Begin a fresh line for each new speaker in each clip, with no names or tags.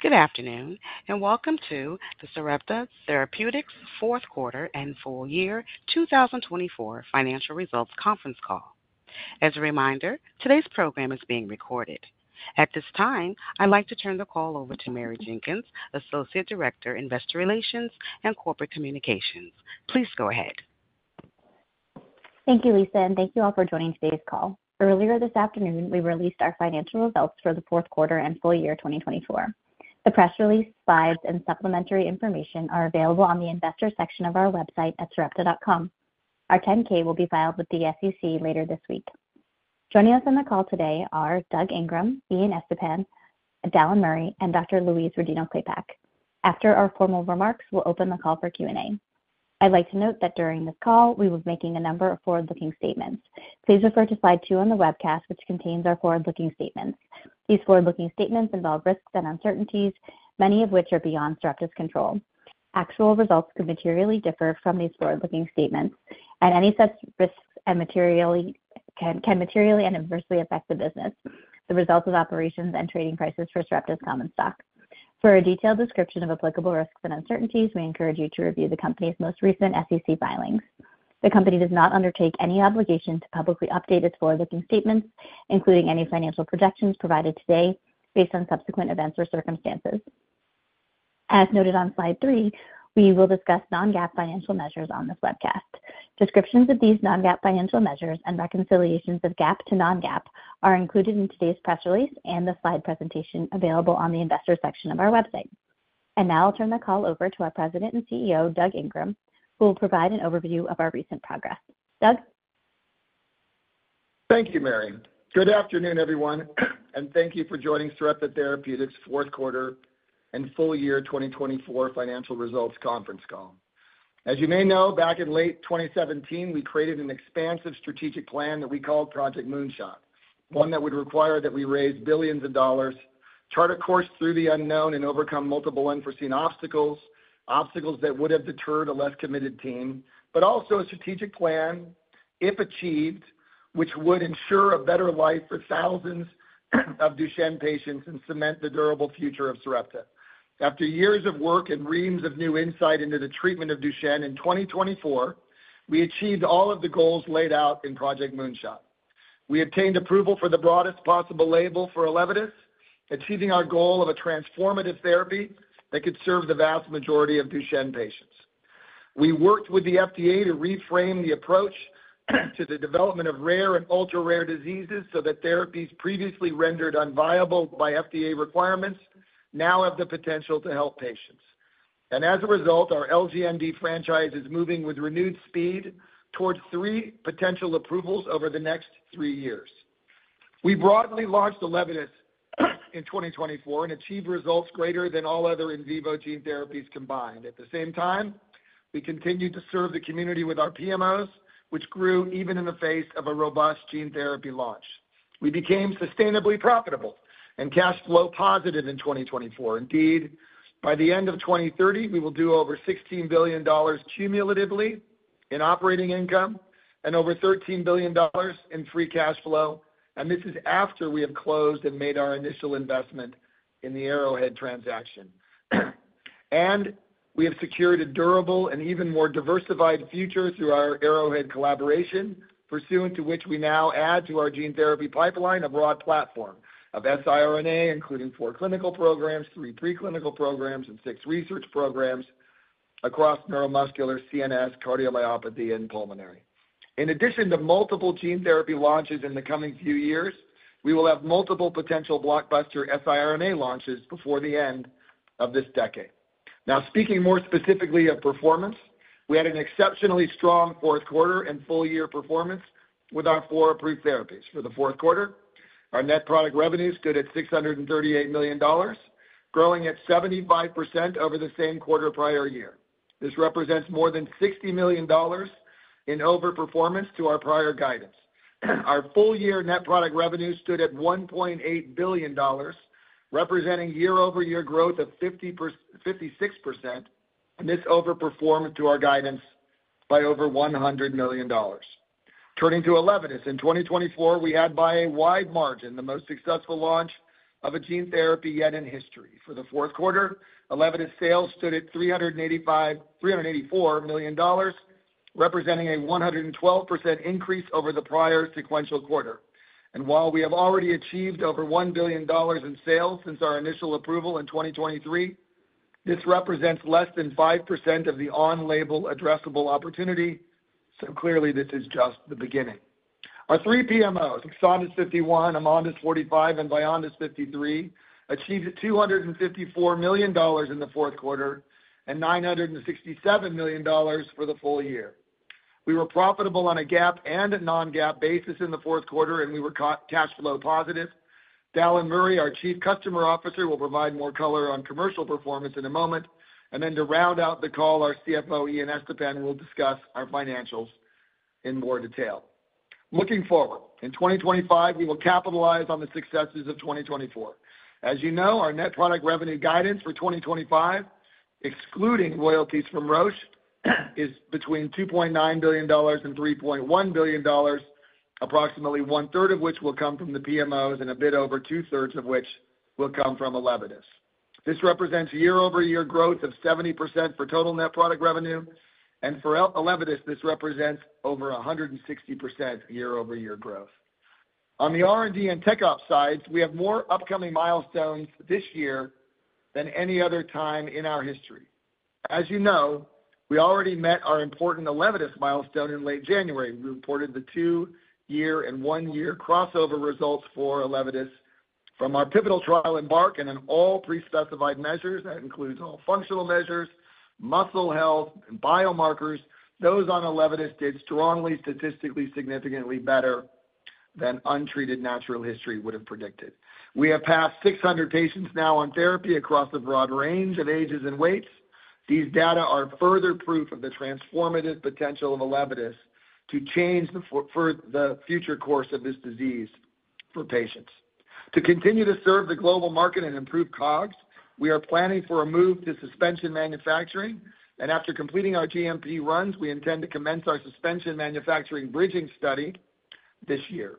Good afternoon and welcome to the Sarepta Therapeutics fourth quarter and full year 2024 financial results conference call. As a reminder, today's program is being recorded. At this time, I'd like to turn the call over to Mary Jenkins, Associate Director, Investor Relations and Corporate Communications. Please go ahead.
Thank you, Lisa, and thank you all for joining today's call. Earlier this afternoon, we released our financial results for the fourth quarter and full year 2024. The press release, slides, and supplementary information are available on the investor section of our website at sarepta.com. Our 10-K will be filed with the SEC later this week. Joining us on the call today are Doug Ingram, Ian Estepan, Dallan Murray, and Dr. Louise Rodino-Klapac. After our formal remarks, we'll open the call for Q&A. I'd like to note that during this call, we will be making a number of forward-looking statements. Please refer to slide two on the webcast, which contains our forward-looking statements. These forward-looking statements involve risks and uncertainties, many of which are beyond Sarepta's control. Actual results could materially differ from these forward-looking statements, and any such risks can materially and adversely affect the business, the results of operations and trading prices for Sarepta's common stock. For a detailed description of applicable risks and uncertainties, we encourage you to review the company's most recent SEC filings. The company does not undertake any obligation to publicly update its forward-looking statements, including any financial projections provided today based on subsequent events or circumstances. As noted on slide three, we will discuss non-GAAP financial measures on this webcast. Descriptions of these non-GAAP financial measures and reconciliations of GAAP to non-GAAP are included in today's press release and the slide presentation available on the investor section of our website. And now I'll turn the call over to our President and CEO, Doug Ingram, who will provide an overview of our recent progress. Doug.
Thank you, Mary. Good afternoon, everyone, and thank you for joining Sarepta Therapeutics fourth quarter and full year 2024 financial results conference call. As you may know, back in late 2017, we created an expansive strategic plan that we called Project Moonshot, one that would require that we raise billions of dollars, chart a course through the unknown and overcome multiple unforeseen obstacles, obstacles that would have deterred a less committed team, but also a strategic plan, if achieved, which would ensure a better life for thousands of Duchenne patients and cement the durable future of Sarepta. After years of work and reams of new insight into the treatment of Duchenne, in 2024, we achieved all of the goals laid out in Project Moonshot. We obtained approval for the broadest possible label for ELEVIDYS, achieving our goal of a transformative therapy that could serve the vast majority of Duchenne patients. We worked with the FDA to reframe the approach to the development of rare and ultra-rare diseases so that therapies previously rendered unviable by FDA requirements now have the potential to help patients. And as a result, our LGMD franchise is moving with renewed speed towards three potential approvals over the next three years. We broadly launched ELEVIDYS in 2024 and achieved results greater than all other in vivo gene therapies combined. At the same time, we continued to serve the community with our PMOs, which grew even in the face of a robust gene therapy launch. We became sustainably profitable and cash flow positive in 2024. Indeed, by the end of 2030, we will do over $16 billion cumulatively in operating income and over $13 billion in free cash flow, and this is after we have closed and made our initial investment in the Arrowhead transaction, and we have secured a durable and even more diversified future through our Arrowhead collaboration, pursuant to which we now add to our gene therapy pipeline a broad platform of siRNA, including four clinical programs, three preclinical programs, and six research programs across neuromuscular, CNS, cardiomyopathy, and pulmonary. In addition to multiple gene therapy launches in the coming few years, we will have multiple potential blockbuster siRNA launches before the end of this decade. Now, speaking more specifically of performance, we had an exceptionally strong fourth quarter and full year performance with our four approved therapies. For the fourth quarter, our net product revenue stood at $638 million, growing at 75% over the same quarter prior year. This represents more than $60 million in overperformance to our prior guidance. Our full year net product revenue stood at $1.8 billion, representing year-over-year growth of 56%, and this overperformed to our guidance by over $100 million. Turning to ELEVIDYS, in 2024, we had, by a wide margin, the most successful launch of a gene therapy yet in history. For the fourth quarter, ELEVIDYS sales stood at $384 million, representing a 112% increase over the prior sequential quarter. And while we have already achieved over $1 billion in sales since our initial approval in 2023, this represents less than 5% of the on-label addressable opportunity. So clearly, this is just the beginning. Our three PMOs, EXONDYS 51, AMONDYS 45, and VYONDYS 53, achieved $254 million in the fourth quarter and $967 million for the full year. We were profitable on a GAAP and a non-GAAP basis in the fourth quarter, and we were cash flow positive. Dallan Murray, our Chief Customer Officer, will provide more color on commercial performance in a moment, and then to round out the call, our CFO, Ian Estepan, will discuss our financials in more detail. Looking forward, in 2025, we will capitalize on the successes of 2024. As you know, our net product revenue guidance for 2025, excluding royalties from Roche, is between $2.9 billion and $3.1 billion, approximately one-third of which will come from the PMOs and a bit over two-thirds of which will come from ELEVIDYS. This represents year-over-year growth of 70% for total net product revenue. For ELEVIDYS, this represents over 160% year-over-year growth. On the R&D and tech ops sides, we have more upcoming milestones this year than any other time in our history. As you know, we already met our important ELEVIDYS milestone in late January. We reported the two-year and one-year crossover results for ELEVIDYS from our pivotal trial EMBARK and then all three specified measures. That includes all functional measures, muscle health, and biomarkers. Those on ELEVIDYS did strongly, statistically significantly better than untreated natural history would have predicted. We have passed 600 patients now on therapy across a broad range of ages and weights. These data are further proof of the transformative potential of ELEVIDYS to change the future course of this disease for patients. To continue to serve the global market and improve COGS, we are planning for a move to suspension manufacturing. And after completing our GMP runs, we intend to commence our suspension manufacturing bridging study this year.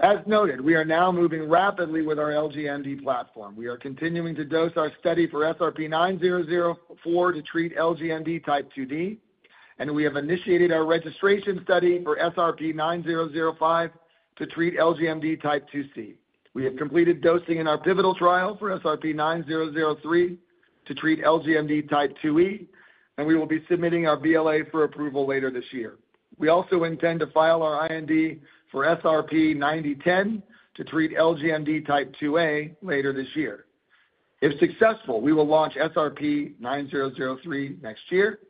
As noted, we are now moving rapidly with our LGMD platform. We are continuing to dose our study for SRP-9004 to treat LGMD type 2D, and we have initiated our registration study for SRP-9005 to treat LGMD type 2C. We have completed dosing in our pivotal trial for SRP-9003 to treat LGMD type 2E, and we will be submitting our BLA for approval later this year. We also intend to file our IND for SRP-9010 to treat LGMD type 2A later this year. If successful, we will launch SRP-9003 next year.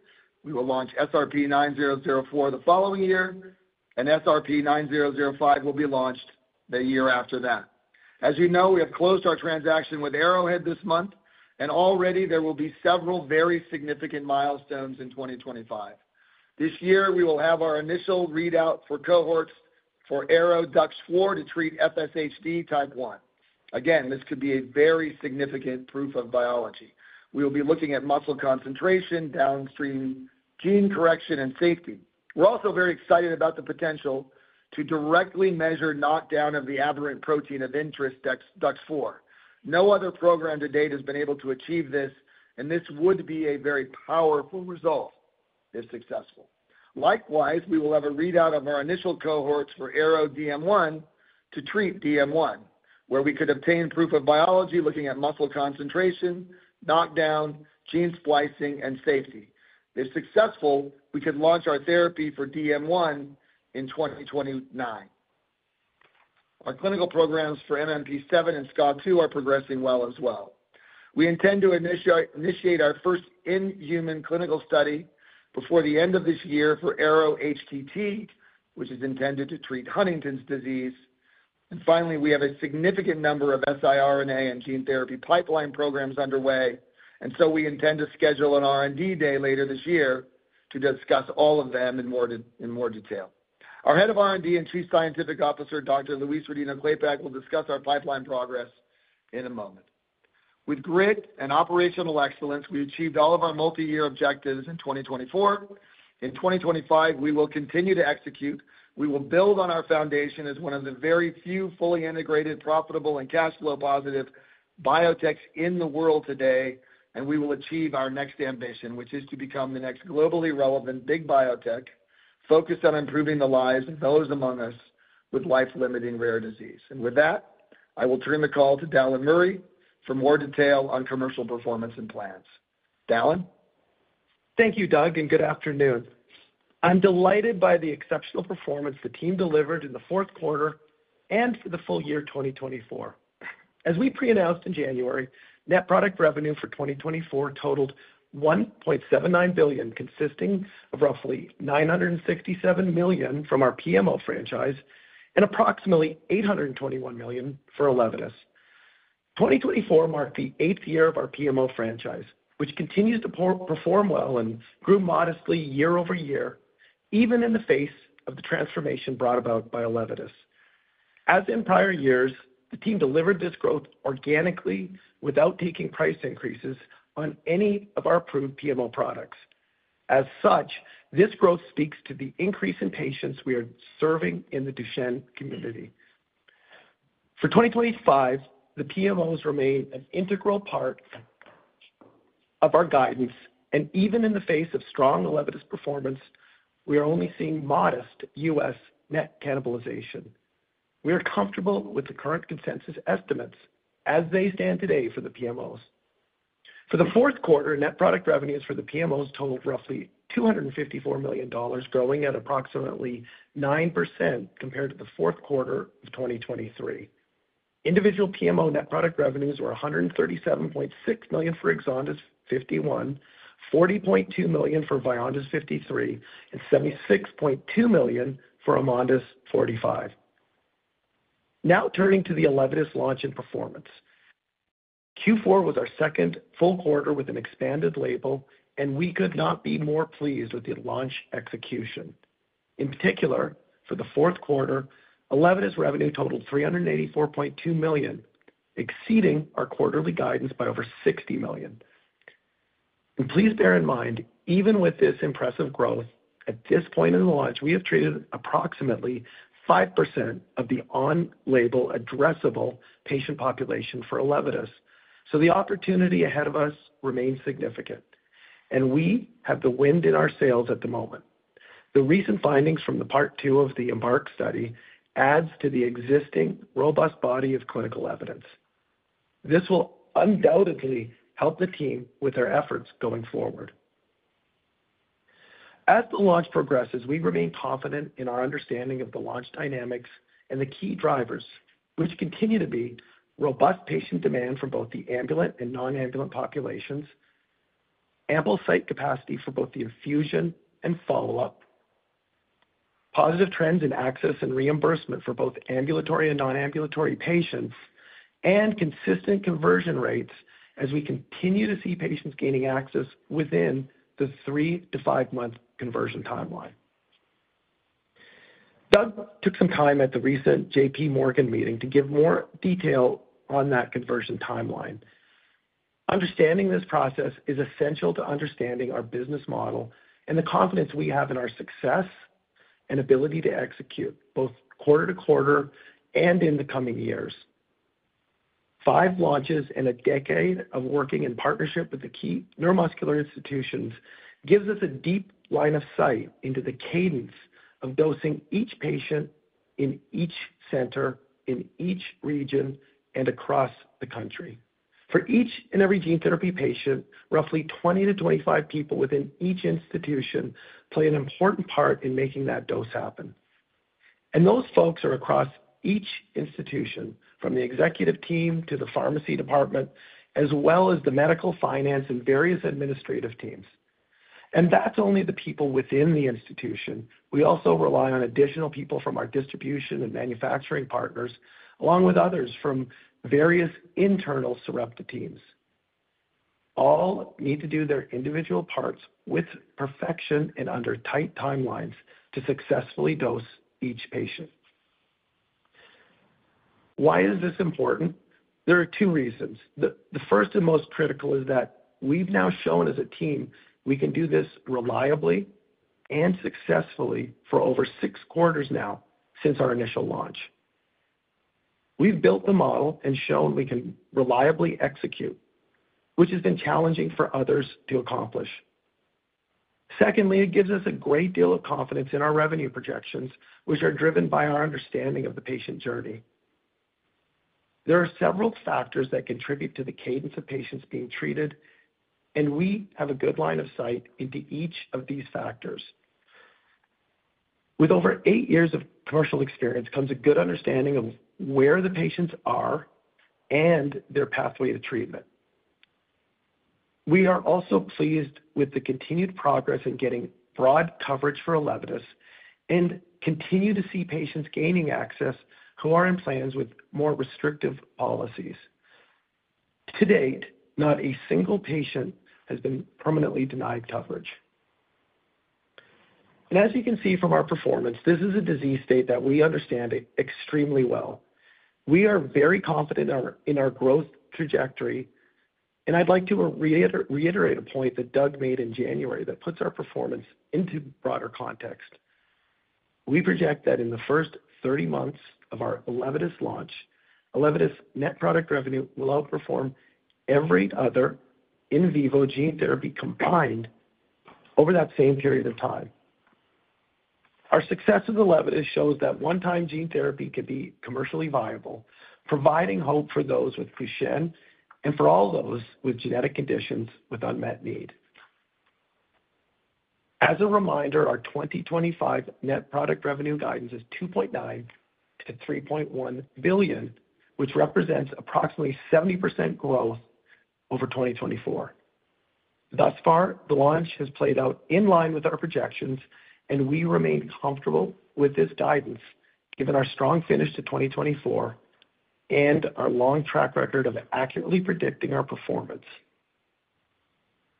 We will launch SRP-9004 the following year, and SRP-9005 will be launched the year after that. As you know, we have closed our transaction with Arrowhead this month, and already there will be several very significant milestones in 2025. This year, we will have our initial readout for cohorts for ARO-DUX4 to treat FSHD type 1. Again, this could be a very significant proof of biology. We will be looking at muscle concentration, downstream gene correction, and safety. We're also very excited about the potential to directly measure knockdown of the aberrant protein of interest, DUX4. No other program to date has been able to achieve this, and this would be a very powerful result if successful. Likewise, we will have a readout of our initial cohorts for ARO-DM1 to treat DM1, where we could obtain proof of biology looking at muscle concentration, knockdown, gene splicing, and safety. If successful, we could launch our therapy for DM1 in 2029. Our clinical programs for MMP-7 and SCA2 are progressing well as well. We intend to initiate our first-in-human clinical study before the end of this year for ARO-HTT, which is intended to treat Huntington's disease, and finally, we have a significant number of siRNA and gene therapy pipeline programs underway, and so we intend to schedule an R&D Day later this year to discuss all of them in more detail. Our Head of R&D and Chief Scientific Officer, Dr. Louise Rodino-Klapac, will discuss our pipeline progress in a moment. With grit and operational excellence, we achieved all of our multi-year objectives in 2024. In 2025, we will continue to execute. We will build on our foundation as one of the very few fully integrated, profitable, and cash flow positive biotechs in the world today, and we will achieve our next ambition, which is to become the next globally relevant big biotech focused on improving the lives of those among us with life-limiting rare disease. And with that, I will turn the call to Dallan Murray for more detail on commercial performance and plans. Dallan.
Thank you, Doug, and good afternoon. I'm delighted by the exceptional performance the team delivered in the fourth quarter and for the full year 2024. As we pre-announced in January, net product revenue for 2024 totaled $1.79 billion, consisting of roughly $967 million from our PMO franchise and approximately $821 million for ELEVIDYS. 2024 marked the eighth year of our PMO franchise, which continues to perform well and grew modestly year-over-year, even in the face of the transformation brought about by ELEVIDYS. As in prior years, the team delivered this growth organically without taking price increases on any of our approved PMO products. As such, this growth speaks to the increase in patients we are serving in the Duchenne community. For 2025, the PMOs remain an integral part of our guidance, and even in the face of strong ELEVIDYS performance, we are only seeing modest U.S. Net cannibalization. We are comfortable with the current consensus estimates as they stand today for the PMOs. For the fourth quarter, net product revenues for the PMOs totaled roughly $254 million, growing at approximately 9% compared to the fourth quarter of 2023. Individual PMO net product revenues were $137.6 million for EXONDYS 51, $40.2 million for VYONDYS 53, and $76.2 million for AMONDYS 45. Now turning to the ELEVIDYS launch and performance. Q4 was our second full quarter with an expanded label, and we could not be more pleased with the launch execution. In particular, for the fourth quarter, ELEVIDYS revenue totaled $384.2 million, exceeding our quarterly guidance by over $60 million, and please bear in mind, even with this impressive growth at this point in the launch, we have treated approximately 5% of the on-label addressable patient population for ELEVIDYS. So the opportunity ahead of us remains significant, and we have the wind in our sails at the moment. The recent findings from Part 2 of the EMBARK study add to the existing robust body of clinical evidence. This will undoubtedly help the team with our efforts going forward. As the launch progresses, we remain confident in our understanding of the launch dynamics and the key drivers, which continue to be robust patient demand for both the ambulatory and non-ambulatory populations, ample site capacity for both the infusion and follow-up, positive trends in access and reimbursement for both ambulatory and non-ambulatory patients, and consistent conversion rates as we continue to see patients gaining access within the three- to five-month conversion timeline. Doug took some time at the recent JPMorgan meeting to give more detail on that conversion timeline. Understanding this process is essential to understanding our business model and the confidence we have in our success and ability to execute both quarter-to-quarter and in the coming years. Five launches in a decade of working in partnership with the key neuromuscular institutions gives us a deep line of sight into the cadence of dosing each patient in each center, in each region, and across the country. For each and every gene therapy patient, roughly 20-25 people within each institution play an important part in making that dose happen. And those folks are across each institution, from the executive team to the pharmacy department, as well as the medical finance and various administrative teams. And that's only the people within the institution. We also rely on additional people from our distribution and manufacturing partners, along with others from various internal Sarepta teams. All need to do their individual parts with perfection and under tight timelines to successfully dose each patient. Why is this important? There are two reasons. The first and most critical is that we've now shown as a team we can do this reliably and successfully for over six quarters now since our initial launch. We've built the model and shown we can reliably execute, which has been challenging for others to accomplish. Secondly, it gives us a great deal of confidence in our revenue projections, which are driven by our understanding of the patient journey. There are several factors that contribute to the cadence of patients being treated, and we have a good line of sight into each of these factors. With over eight years of commercial experience comes a good understanding of where the patients are and their pathway to treatment. We are also pleased with the continued progress in getting broad coverage for ELEVIDYS and continue to see patients gaining access who are in plans with more restrictive policies. To date, not a single patient has been permanently denied coverage, and as you can see from our performance, this is a disease state that we understand extremely well. We are very confident in our growth trajectory, and I'd like to reiterate a point that Doug made in January that puts our performance into broader context. We project that in the first 30 months of our ELEVIDYS launch, ELEVIDYS net product revenue will outperform every other in vivo gene therapy combined over that same period of time. Our success with ELEVIDYS shows that one-time gene therapy can be commercially viable, providing hope for those with Duchenne and for all those with genetic conditions with unmet need. As a reminder, our 2025 net product revenue guidance is $2.9 billion-$3.1 billion, which represents approximately 70% growth over 2024. Thus far, the launch has played out in line with our projections, and we remain comfortable with this guidance given our strong finish to 2024 and our long track record of accurately predicting our performance.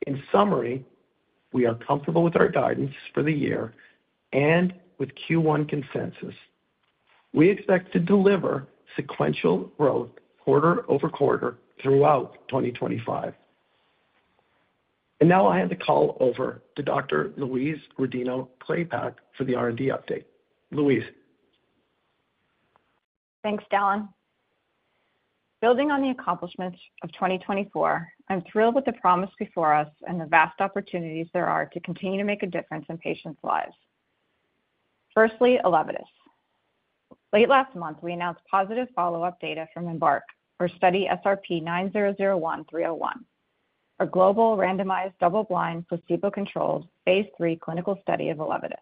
In summary, we are comfortable with our guidance for the year and with Q1 consensus. We expect to deliver sequential growth quarter-over-quarter throughout 2025. And now I have the call over to Dr. Louise Rodino-Klapac for the R&D update. Louise.
Thanks, Dallan. Building on the accomplishments of 2024, I'm thrilled with the promise before us and the vast opportunities there are to continue to make a difference in patients' lives. Firstly, ELEVIDYS. Late last month, we announced positive follow-up data from EMBARK, our study SRP-9001-301, a global randomized double-blind placebo-controlled phase III clinical study of ELEVIDYS.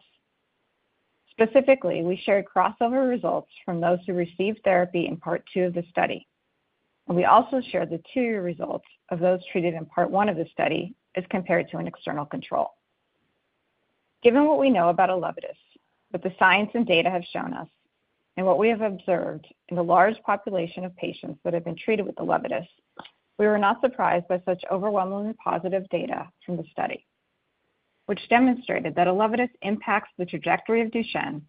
Specifically, we shared crossover results from those who received therapy in part two of the study, and we also shared the two-year results of those treated in part one of the study as compared to an external control. Given what we know about ELEVIDYS, what the science and data have shown us, and what we have observed in the large population of patients that have been treated with ELEVIDYS, we were not surprised by such overwhelmingly positive data from the study, which demonstrated that ELEVIDYS impacts the trajectory of Duchenne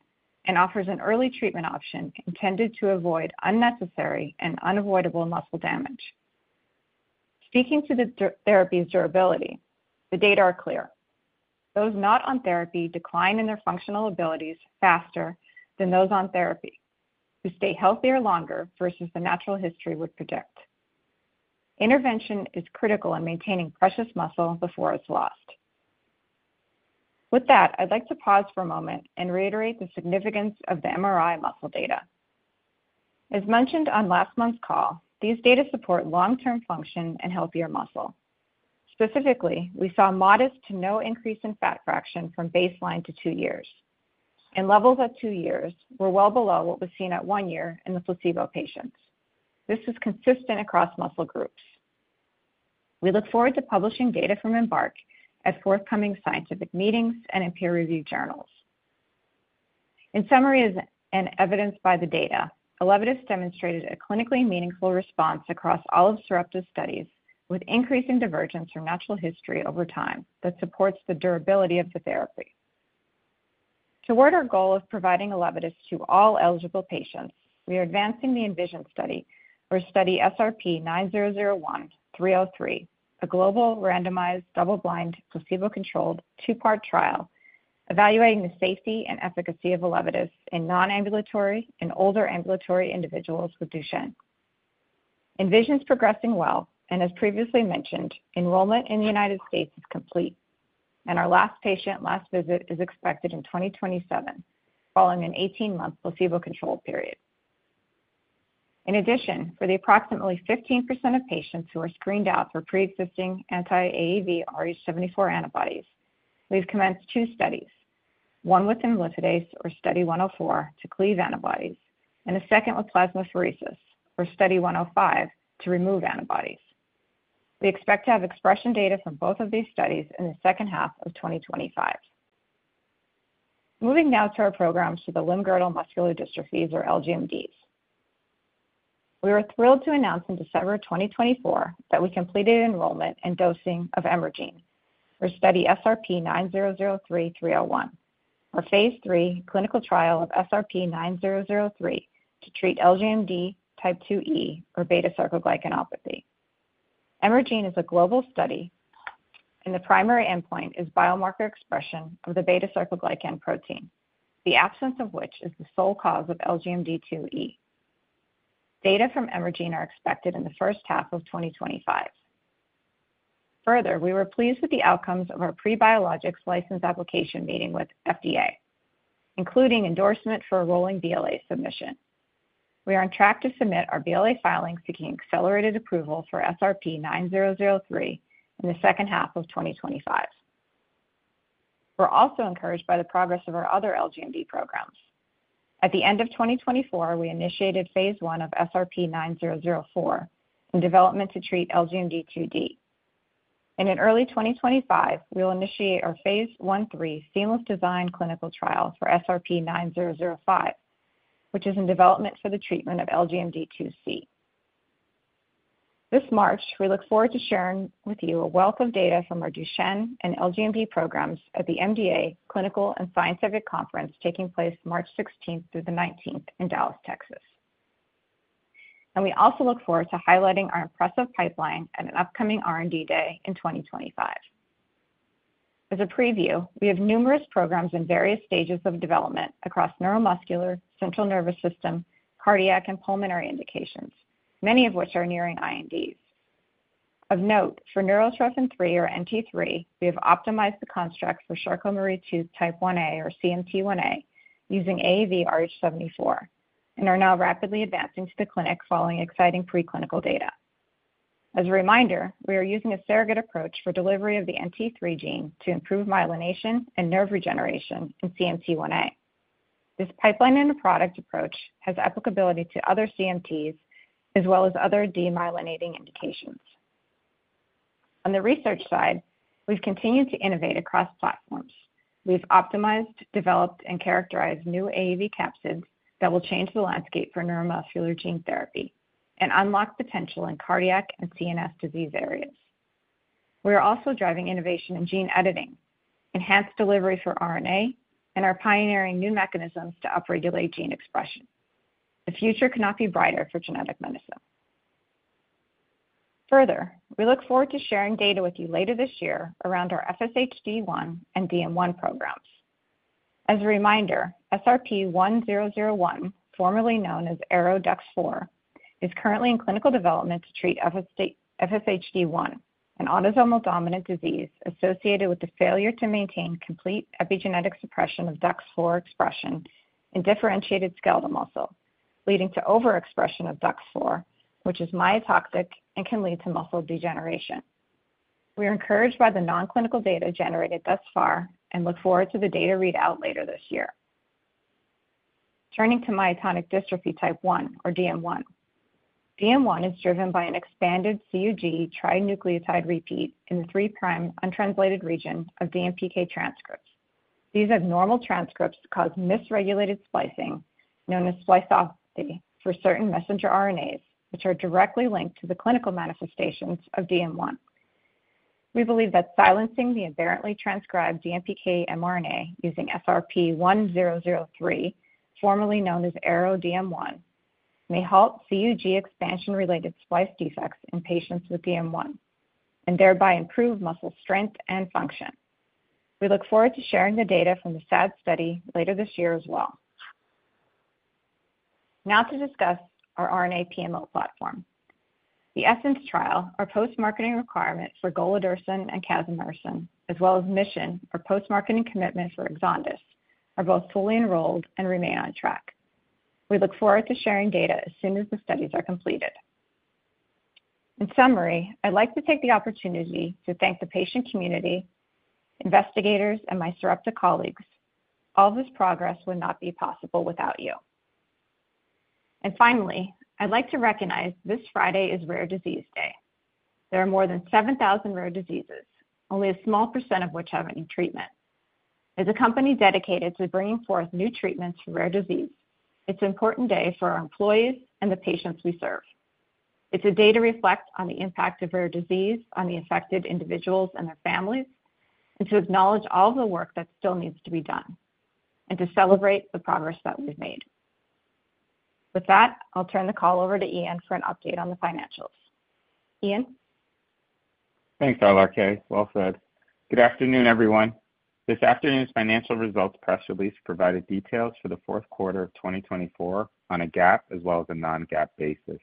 and offers an early treatment option intended to avoid unnecessary and unavoidable muscle damage. Speaking to the therapy's durability, the data are clear. Those not on therapy decline in their functional abilities faster than those on therapy, who stay healthier longer versus the natural history would predict. Intervention is critical in maintaining precious muscle before it's lost. With that, I'd like to pause for a moment and reiterate the significance of the MRI muscle data. As mentioned on last month's call, these data support long-term function and healthier muscle. Specifically, we saw modest to no increase in fat fraction from baseline to two years, and levels at two years were well below what was seen at one year in the placebo patients. This was consistent across muscle groups. We look forward to publishing data from EMBARK at forthcoming scientific meetings and in peer-reviewed journals. In summary and evidenced by the data, ELEVIDYS demonstrated a clinically meaningful response across all of Sarepta's studies, with increasing divergence from natural history over time that supports the durability of the therapy. Toward our goal of providing ELEVIDYS to all eligible patients, we are advancing the ENVISION study, our study SRP-9001-303, a global randomized double-blind placebo-controlled two-part trial evaluating the safety and efficacy of ELEVIDYS in non-ambulatory and older ambulatory individuals with Duchenne. ENVISION is progressing well, and as previously mentioned, enrollment in the United States is complete, and our last patient last visit is expected in 2027, following an 18-month placebo-controlled period. In addition, for the approximately 15% of patients who are screened out for pre-existing anti-AAVrh74 antibodies, we've commenced two studies: one with imlifidase, or study 104, to cleave antibodies, and a second with plasmapheresis, or study 105, to remove antibodies. We expect to have expression data from both of these studies in the second half of 2025. Moving now to our programs for the limb-girdle muscular dystrophies, or LGMDs. We were thrilled to announce in December 2024 that we completed enrollment and dosing of EMERGENE, our study SRP-9003-301, our phase III clinical trial of SRP-9003 to treat LGMD type 2E, or beta-sarcoglycanopathy. EMERGENE is a global study, and the primary endpoint is biomarker expression of the beta-sarcoglycan protein, the absence of which is the sole cause of LGMD 2E. Data from EMERGENE are expected in the first half of 2025. Further, we were pleased with the outcomes of our pre-Biologics License Application meeting with FDA, including endorsement for a rolling BLA submission. We are on track to submit our BLA filings to gain accelerated approval for SRP-9003 in the second half of 2025. We're also encouraged by the progress of our other LGMD programs. At the end of 2024, we initiated phase I of SRP-9004 in development to treat LGMD 2D, and in early 2025, we will initiate our phase 1/3 seamless design clinical trial for SRP-9005, which is in development for the treatment of LGMD 2C. This March, we look forward to sharing with you a wealth of data from our Duchenne and LGMD programs at the MDA Clinical and Scientific Conference taking place March 16th through the 19th in Dallas, Texas. And we also look forward to highlighting our impressive pipeline at an upcoming R&D Day in 2025. As a preview, we have numerous programs in various stages of development across neuromuscular, central nervous system, cardiac, and pulmonary indications, many of which are nearing INDs. Of note, for Neurotrophin-3, or NT-3, we have optimized the construct for Charcot-Marie-Tooth type 1A, or CMT1A, using AAVrh74 and are now rapidly advancing to the clinic following exciting preclinical data. As a reminder, we are using a surrogate approach for delivery of the NT-3 gene to improve myelination and nerve regeneration in CMT1A. This pipeline and product approach has applicability to other CMTs as well as other demyelinating indications. On the research side, we've continued to innovate across platforms. We've optimized, developed, and characterized new AAV capsids that will change the landscape for neuromuscular gene therapy and unlock potential in cardiac and CNS disease areas. We are also driving innovation in gene editing, enhanced delivery for RNA, and are pioneering new mechanisms to upregulate gene expression. The future cannot be brighter for genetic medicine. Further, we look forward to sharing data with you later this year around our FSHD1 and DM1 programs. As a reminder, SRP-1001, formerly known as ARO-DUX4, is currently in clinical development to treat FSHD1, an autosomal dominant disease associated with the failure to maintain complete epigenetic suppression of DUX4 expression in differentiated skeletal muscle, leading to overexpression of DUX4, which is myotoxic and can lead to muscle degeneration. We are encouraged by the non-clinical data generated thus far and look forward to the data readout later this year. Turning to myotonic dystrophy type 1, or DM1. DM1 is driven by an expanded CUG trinucleotide repeat in the three prime untranslated region of DMPK transcripts. These abnormal transcripts cause misregulated splicing known as spliceopathy for certain messenger RNAs, which are directly linked to the clinical manifestations of DM1. We believe that silencing the inherently transcribed DMPK mRNA using SRP-1003, formerly known as ARO-DM1, may halt CUG expansion-related splice defects in patients with DM1 and thereby improve muscle strength and function. We look forward to sharing the data from the SAD study later this year as well. Now to discuss our RNA PMO platform. The ESSENCE trial, our post-marketing requirement for golodirsen and casimersen, as well as MISSION, our post-marketing commitment for EXONDYS, are both fully enrolled and remain on track. We look forward to sharing data as soon as the studies are completed. In summary, I'd like to take the opportunity to thank the patient community, investigators, and my Sarepta colleagues. All this progress would not be possible without you. And finally, I'd like to recognize this Friday is Rare Disease Day. There are more than 7,000 rare diseases, only a small percent of which have any treatment. As a company dedicated to bringing forth new treatments for rare disease, it's an important day for our employees and the patients we serve. It's a day to reflect on the impact of rare disease on the affected individuals and their families, and to acknowledge all of the work that still needs to be done, and to celebrate the progress that we've made. With that, I'll turn the call over to Ian for an update on the financials. Ian.
Thanks, Rodino-K. Well said. Good afternoon, everyone. This afternoon's financial results press release provided details for the fourth quarter of 2024 on a GAAP as well as a non-GAAP basis.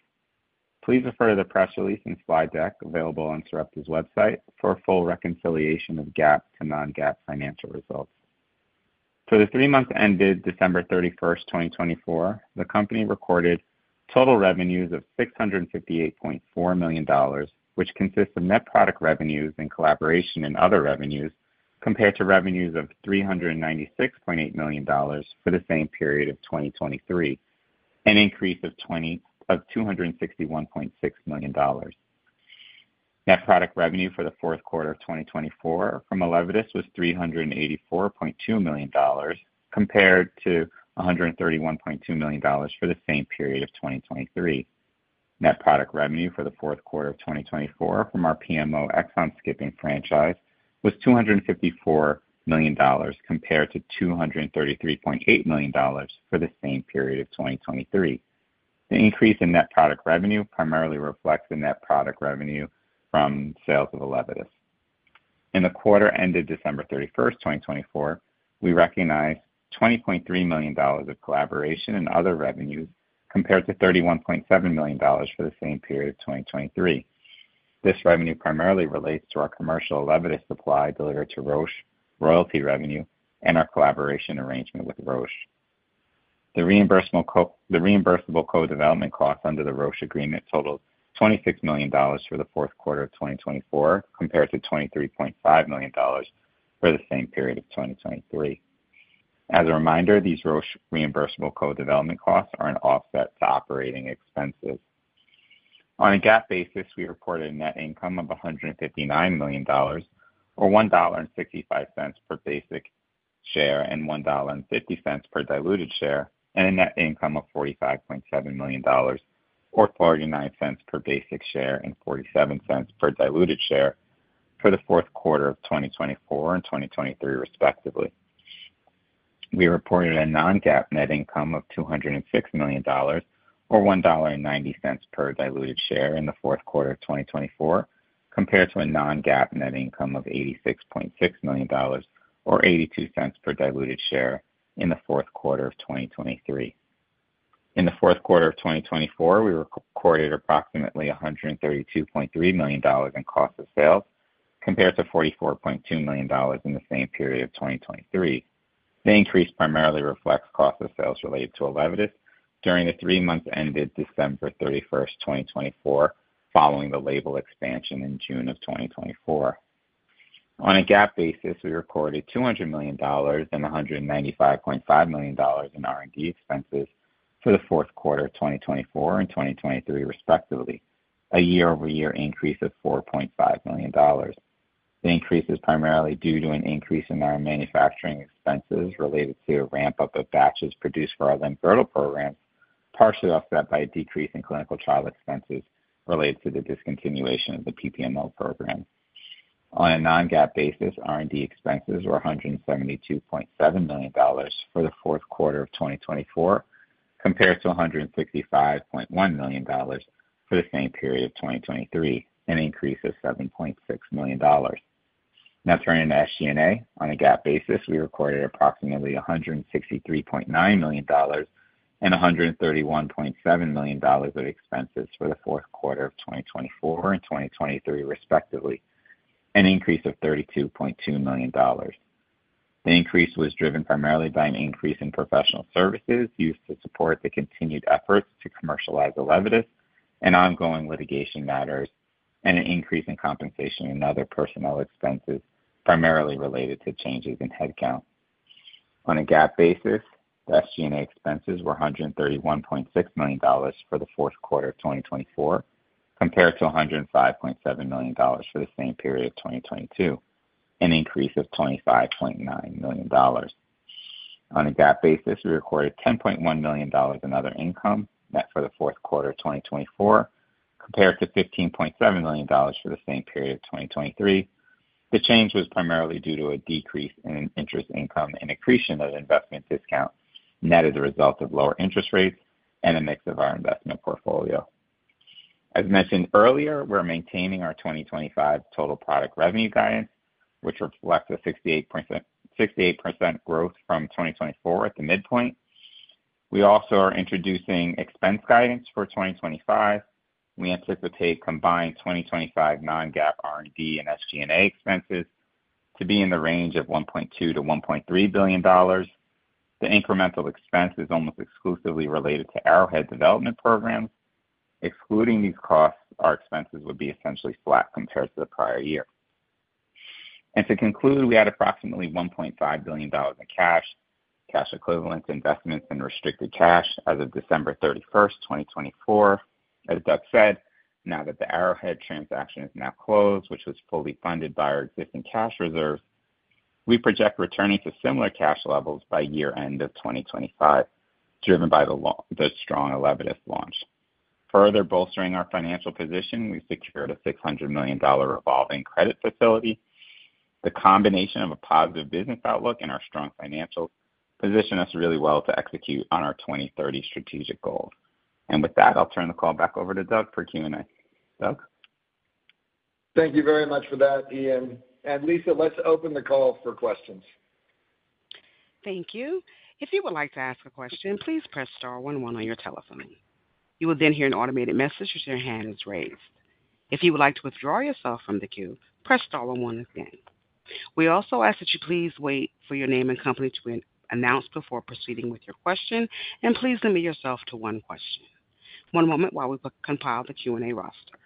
Please refer to the press release and slide deck available on Sarepta's website for a full reconciliation of GAAP to non-GAAP financial results. For the three months ended December 31st, 2024, the company recorded total revenues of $658.4 million, which consists of net product revenues in collaboration and other revenues, compared to revenues of $396.8 million for the same period of 2023, an increase of $261.6 million. Net product revenue for the fourth quarter of 2024 from ELEVIDYS was $384.2 million, compared to $131.2 million for the same period of 2023. Net product revenue for the fourth quarter of 2024 from our PMO exon skipping franchise was $254 million, compared to $233.8 million for the same period of 2023. The increase in net product revenue primarily reflects the net product revenue from sales of ELEVIDYS. In the quarter ended December 31st, 2024, we recognize $20.3 million of collaboration and other revenues compared to $31.7 million for the same period of 2023. This revenue primarily relates to our commercial ELEVIDYS supply delivered to Roche, royalty revenue and our collaboration arrangement with Roche. The reimbursable co-development costs under the Roche agreement totaled $26 million for the fourth quarter of 2024, compared to $23.5 million for the same period of 2023. As a reminder, these Roche reimbursable co-development costs are an offset to operating expenses. On a GAAP basis, we reported a net income of $159 million, or $1.65 per basic share and $1.50 per diluted share, and a net income of $45.7 million, or $0.49 per basic share and $0.47 per diluted share for the fourth quarter of 2024 and 2023, respectively. We reported a non-GAAP net income of $206 million, or $1.90 per diluted share in the fourth quarter of 2024, compared to a non-GAAP net income of $86.6 million, or $0.82 per diluted share in the fourth quarter of 2023. In the fourth quarter of 2024, we recorded approximately $132.3 million in cost of sales, compared to $44.2 million in the same period of 2023. The increase primarily reflects cost of sales related to ELEVIDYS during the three months ended December 31st, 2024, following the label expansion in June of 2024. On a GAAP basis, we recorded $200 million and $195.5 million in R&D expenses for the fourth quarter of 2024 and 2023, respectively, a year-over-year increase of $4.5 million. The increase is primarily due to an increase in our manufacturing expenses related to a ramp-up of batches produced for our limb-girdle programs, partially offset by a decrease in clinical trial expenses related to the discontinuation of the PPMO program. On a non-GAAP basis, R&D expenses were $172.7 million for the fourth quarter of 2024, compared to $165.1 million for the same period of 2023, an increase of $7.6 million. Now turning to SG&A, on a GAAP basis, we recorded approximately $163.9 million and $131.7 million of expenses for the fourth quarter of 2024 and 2023, respectively, an increase of $32.2 million. The increase was driven primarily by an increase in professional services used to support the continued efforts to commercialize ELEVIDYS and ongoing litigation matters, and an increase in compensation and other personnel expenses primarily related to changes in headcount. On a GAAP basis, SG&A expenses were $131.6 million for the fourth quarter of 2024, compared to $105.7 million for the same period of 2022, an increase of $25.9 million. On a GAAP basis, we recorded $10.1 million in other income net for the fourth quarter of 2024, compared to $15.7 million for the same period of 2023. The change was primarily due to a decrease in interest income and accretion of investment discount net as a result of lower interest rates and a mix of our investment portfolio. As mentioned earlier, we're maintaining our 2025 total product revenue guidance, which reflects a 68% growth from 2024 at the midpoint. We also are introducing expense guidance for 2025. We anticipate combined 2025 non-GAAP R&D and SG&A expenses to be in the range of $1.2 billion-$1.3 billion. The incremental expense is almost exclusively related to Arrowhead development programs. Excluding these costs, our expenses would be essentially flat compared to the prior year. And to conclude, we had approximately $1.5 billion in cash, cash equivalent investments in restricted cash as of December 31st, 2024. As Doug said, now that the Arrowhead transaction is now closed, which was fully funded by our existing cash reserves, we project returning to similar cash levels by year-end of 2025, driven by the strong ELEVIDYS launch. Further bolstering our financial position, we've secured a $600 million revolving credit facility. The combination of a positive business outlook and our strong financial position positions us really well to execute on our 2030 strategic goals. And with that, I'll turn the call back over to Doug for Q&A. Doug?
Thank you very much for that, Ian. And Lisa, let's open the call for questions.
Thank you. If you would like to ask a question, please press star one one on your telephone. You will then hear an automated message as your hand is raised. If you would like to withdraw yourself from the queue, press star one one again. We also ask that you please wait for your name and company to be announced before proceeding with your question, and please limit yourself to one question. One moment while we compile the Q&A roster.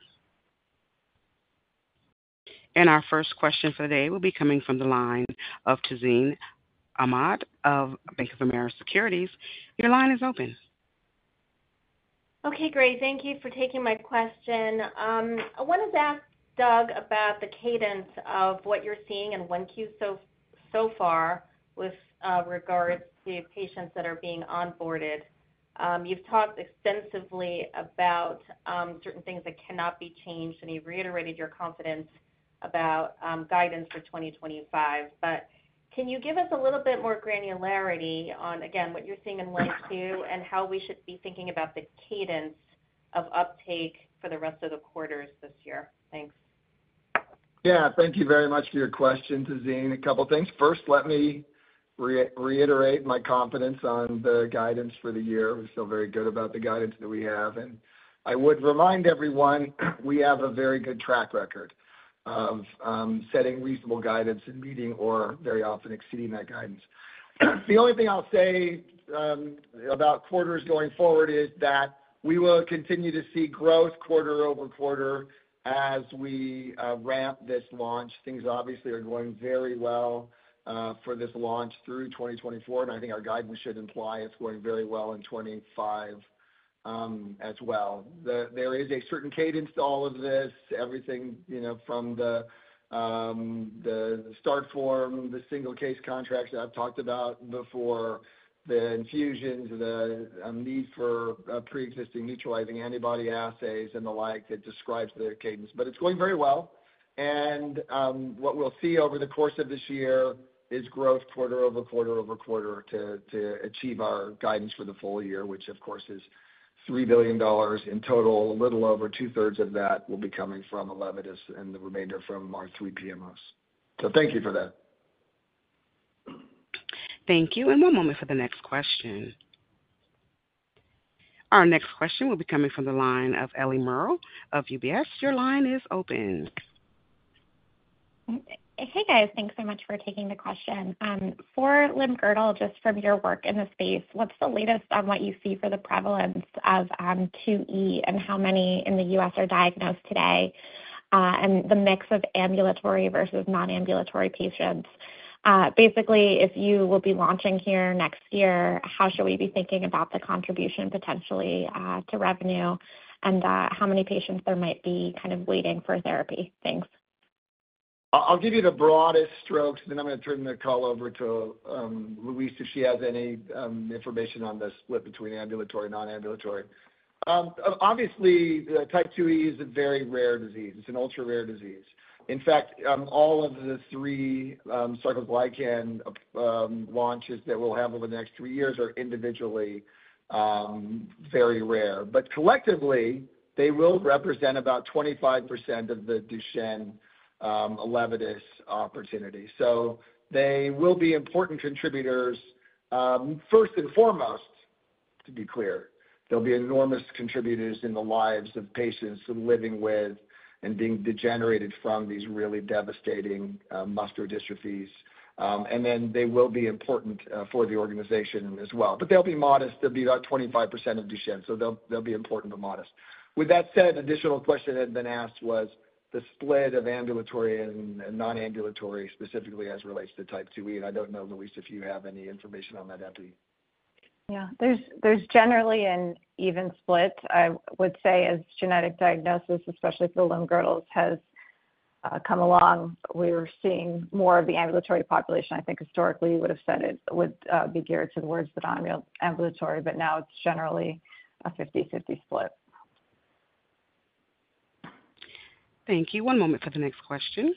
Our first question for today will be coming from the line of Tazeen Ahmad of Bank of America Securities. Your line is open.
Okay, great. Thank you for taking my question. I wanted to ask Doug about the cadence of what you're seeing in 1Q so far with regards to patients that are being onboarded. You've talked extensively about certain things that cannot be changed, and you've reiterated your confidence about guidance for 2025. But can you give us a little bit more granularity on, again, what you're seeing in 1Q and how we should be thinking about the cadence of uptake for the rest of the quarters this year? Thanks.
Yeah, thank you very much for your question, Tazeen. A couple of things. First, let me reiterate my confidence on the guidance for the year. We feel very good about the guidance that we have. And I would remind everyone we have a very good track record of setting reasonable guidance and meeting or very often exceeding that guidance. The only thing I'll say about quarters going forward is that we will continue to see growth quarter-over-quarter as we ramp this launch. Things obviously are going very well for this launch through 2024, and I think our guidance should imply it's going very well in 2025 as well. There is a certain cadence to all of this, everything from the start form, the single case contracts that I've talked about before, the infusions, the need for pre-existing neutralizing antibody assays, and the like that describes the cadence. But it's going very well. And what we'll see over the course of this year is growth quarter-over-quarter to achieve our guidance for the full year, which, of course, is $3 billion in total. A little over two-thirds of that will be coming from ELEVIDYS and the remainder from our three PMOs. So thank you for that.
Thank you, and one moment for the next question. Our next question will be coming from the line of Ellie Merle of UBS. Your line is open.
Hey, guys. Thanks so much for taking the question. For limb girdle, just from your work in the space, what's the latest on what you see for the prevalence of 2E and how many in the U.S. are diagnosed today and the mix of ambulatory versus non-ambulatory patients? Basically, if you will be launching here next year, how should we be thinking about the contribution potentially to revenue and how many patients there might be kind of waiting for therapy? Thanks.
I'll give you the broadest strokes, and then I'm going to turn the call over to Louise if she has any information on the split between ambulatory and non-ambulatory. Obviously, type 2E is a very rare disease. It's an ultra-rare disease. In fact, all of the three sarcoglycan launches that we'll have over the next three years are individually very rare. But collectively, they will represent about 25% of the Duchenne ELEVIDYS opportunity. So they will be important contributors, first and foremost, to be clear. There'll be enormous contributors in the lives of patients living with and being degenerated from these really devastating muscular dystrophies. And then they will be important for the organization as well. But they'll be modest. They'll be about 25% of Duchenne. So they'll be important but modest. With that said, an additional question that had been asked was the split of ambulatory and non-ambulatory, specifically as it relates to type 2E, and I don't know, Louise, if you have any information on that, Epi?
Yeah. There's generally an even split. I would say, as genetic diagnosis, especially for limb-girdle, has come along, we're seeing more of the ambulatory population. I think historically you would have said it would be geared to the kids that are ambulatory, but now it's generally a 50/50 split.
Thank you. One moment for the next question.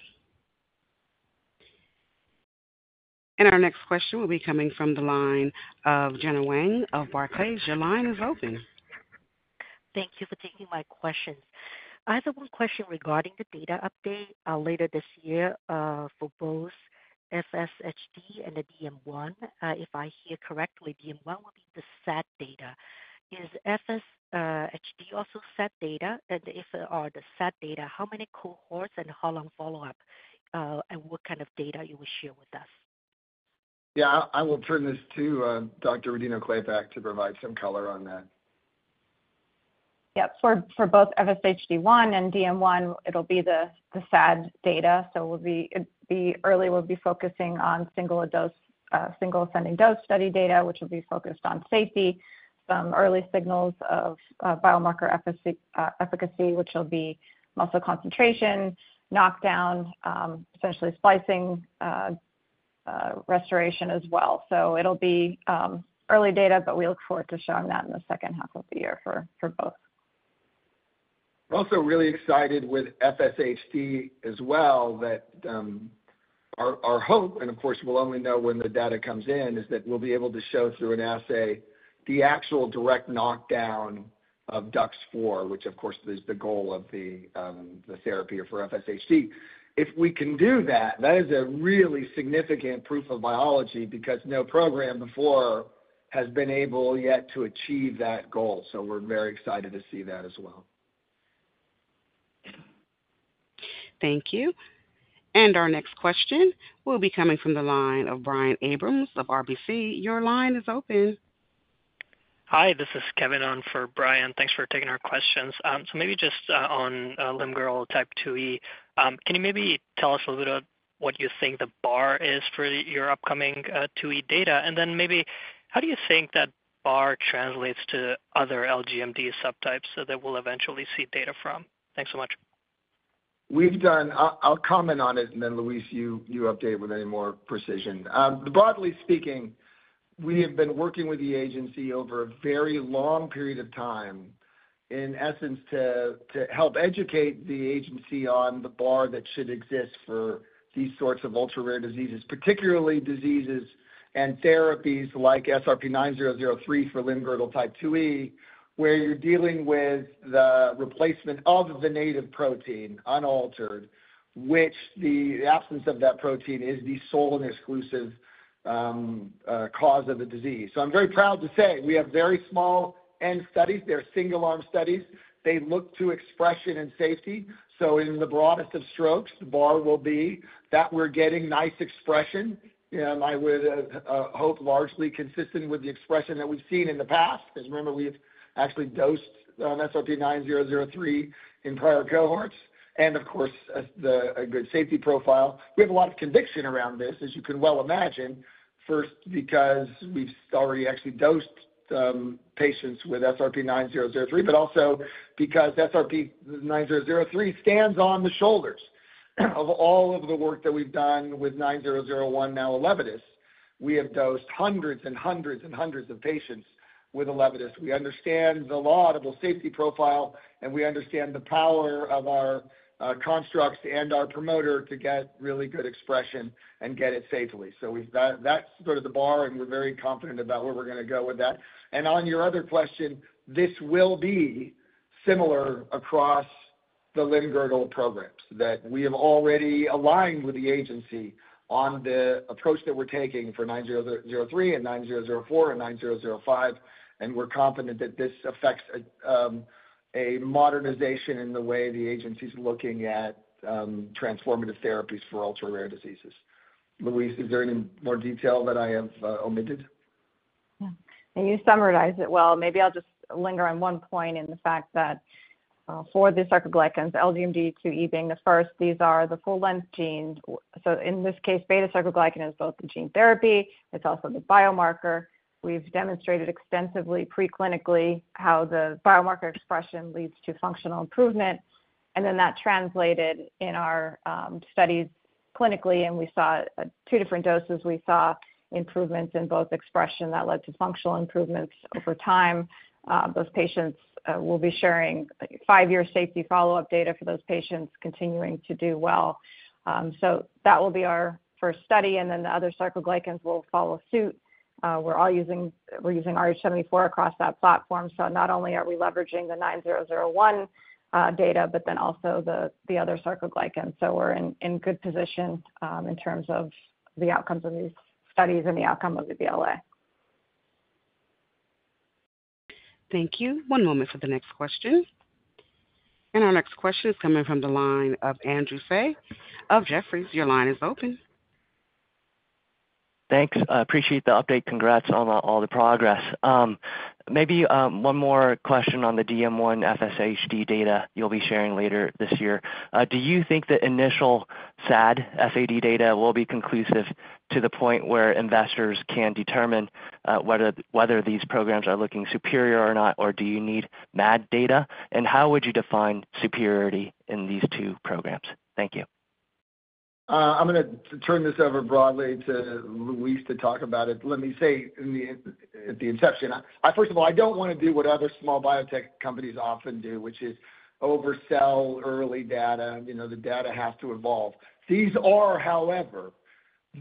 Our next question will be coming from the line of Gena Wang of Barclays. Your line is open.
Thank you for taking my questions. I have one question regarding the data update later this year for both FSHD and the DM1. If I hear correctly, DM1 will be the SAD data. Is FSHD also SAD data? And if it are the SAD data, how many cohorts and how long follow-up, and what kind of data you will share with us?
Yeah, I will turn this to Dr. Rodino-Klapac to provide some color on that.
Yep. For both FSHD1 and DM1, it'll be the SAD data. So early, we'll be focusing on single-ascending dose study data, which will be focused on safety, some early signals of biomarker efficacy, which will be muscle concentration, knockdown, essentially splicing, restoration as well. So it'll be early data, but we look forward to showing that in the second half of the year for both.
We're also really excited with FSHD as well that our hope, and of course, we'll only know when the data comes in, is that we'll be able to show through an assay the actual direct knockdown of DUX4, which, of course, is the goal of the therapy for FSHD. If we can do that, that is a really significant proof of biology because no program before has been able yet to achieve that goal. So we're very excited to see that as well.
Thank you. And our next question will be coming from the line of Brian Abrahams of RBC. Your line is open.
Hi, this is Kevin Ong for Brian. Thanks for taking our questions. So maybe just on limb-girdle type 2E, can you maybe tell us a little bit of what you think the bar is for your upcoming 2E data? And then maybe how do you think that bar translates to other LGMD subtypes that we'll eventually see data from? Thanks so much.
We've done. I'll comment on it, and then Louise, you update with any more precision. Broadly speaking, we have been working with the agency over a very long period of time, in essence, to help educate the agency on the bar that should exist for these sorts of ultra-rare diseases, particularly diseases and therapies like SRP-9003 for limb-girdle type 2E, where you're dealing with the replacement of the native protein unaltered, which the absence of that protein is the sole and exclusive cause of the disease. So I'm very proud to say we have very small n studies. They're single-arm studies. They look to expression and safety. So in the broadest of strokes, the bar will be that we're getting nice expression, and I would hope largely consistent with the expression that we've seen in the past. As you remember, we've actually dosed SRP-9003 in prior cohorts. And of course, a good safety profile. We have a lot of conviction around this, as you can well imagine, first because we've already actually dosed patients with SRP-9003, but also because SRP-9003 stands on the shoulders of all of the work that we've done with 9001, now ELEVIDYS. We have dosed hundreds and hundreds and hundreds of patients with ELEVIDYS. We understand the laudable safety profile, and we understand the power of our constructs and our promoter to get really good expression and get it safely. So that's sort of the bar, and we're very confident about where we're going to go with that. And on your other question, this will be similar across the limb-girdle programs that we have already aligned with the agency on the approach that we're taking for 9003 and 9004 and 9005. We're confident that this affects a modernization in the way the agency's looking at transformative therapies for ultra-rare diseases. Louise, is there any more detail that I have omitted?
Yeah. And you summarized it well. Maybe I'll just linger on one point in the fact that for the sarcoglycanopathies, LGMD2E being the first, these are the full-length genes. So in this case, beta-sarcoglycan is both the gene therapy. It's also the biomarker. We've demonstrated extensively preclinically how the biomarker expression leads to functional improvement. And then that translated in our studies clinically. And we saw two different doses. We saw improvements in both expression that led to functional improvements over time. Those patients will be sharing five-year safety follow-up data for those patients continuing to do well. So that will be our first study. And then the other sarcoglycanopathies will follow suit. We're using RH74 across that platform. So not only are we leveraging the 9001 data, but then also the other sarcoglycanopathies. So we're in good position in terms of the outcomes of these studies and the outcome of the BLA.
Thank you. One moment for the next question, and our next question is coming from the line of Andrew Tsai of Jefferies. Your line is open.
Thanks. Appreciate the update. Congrats on all the progress. Maybe one more question on the DM1, FSHD data you'll be sharing later this year. Do you think the initial SAD/MAD data will be conclusive to the point where investors can determine whether these programs are looking superior or not, or do you need MAD data? And how would you define superiority in these two programs? Thank you.
I'm going to turn this over broadly to Louise to talk about it. Let me say at the inception, first of all, I don't want to do what other small biotech companies often do, which is oversell early data. The data has to evolve. These are, however,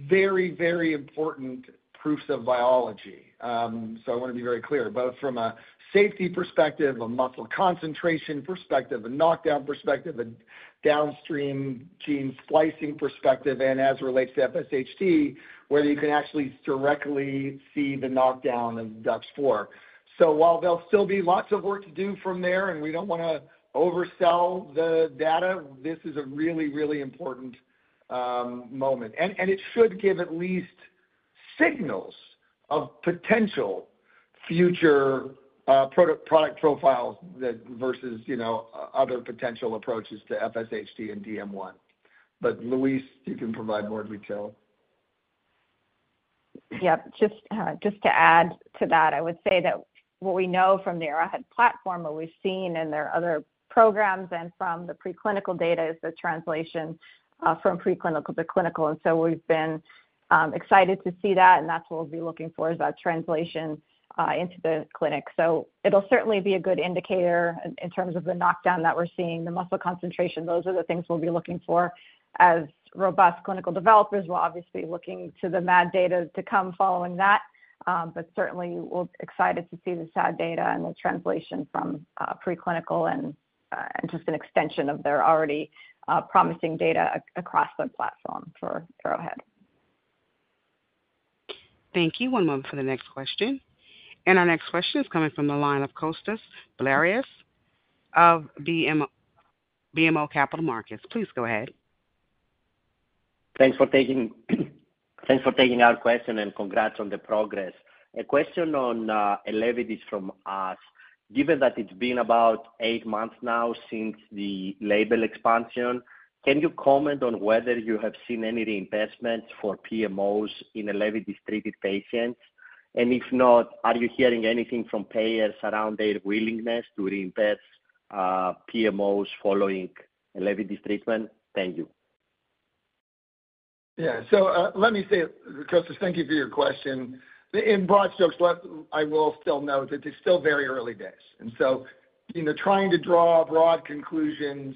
very, very important proofs of biology, so I want to be very clear, both from a safety perspective, a muscle concentration perspective, a knockdown perspective, a downstream gene splicing perspective, and as it relates to FSHD, where you can actually directly see the knockdown of DUX4, so while there'll still be lots of work to do from there, and we don't want to oversell the data, this is a really, really important moment, and it should give at least signals of potential future product profiles versus other potential approaches to FSHD and DM1, but Louise, you can provide more detail.
Yep. Just to add to that, I would say that what we know from the Arrowhead platform that we've seen in their other programs and from the preclinical data is the translation from preclinical to clinical, and so we've been excited to see that, and that's what we'll be looking for, is that translation into the clinic, so it'll certainly be a good indicator in terms of the knockdown that we're seeing, the muscle concentration. Those are the things we'll be looking for. As robust clinical developers, we're obviously looking to the MAD data to come following that, but certainly, we're excited to see the SAD data and the translation from preclinical and just an extension of their already promising data across the platform for Arrowhead.
Thank you. One moment for the next question, and our next question is coming from the line of Kostas Biliouris of BMO Capital Markets. Please go ahead.
Thanks for taking our question and congrats on the progress. A question on ELEVIDYS from us. Given that it's been about eight months now since the label expansion, can you comment on whether you have seen any reimbursements for PMOs in ELEVIDYS-treated patients? And if not, are you hearing anything from payers around their willingness to reimburse PMOs following ELEVIDYS treatment? Thank you.
Yeah. So let me say, Kostas, thank you for your question. In broad strokes, I will still note that it's still very early days, and so trying to draw broad conclusions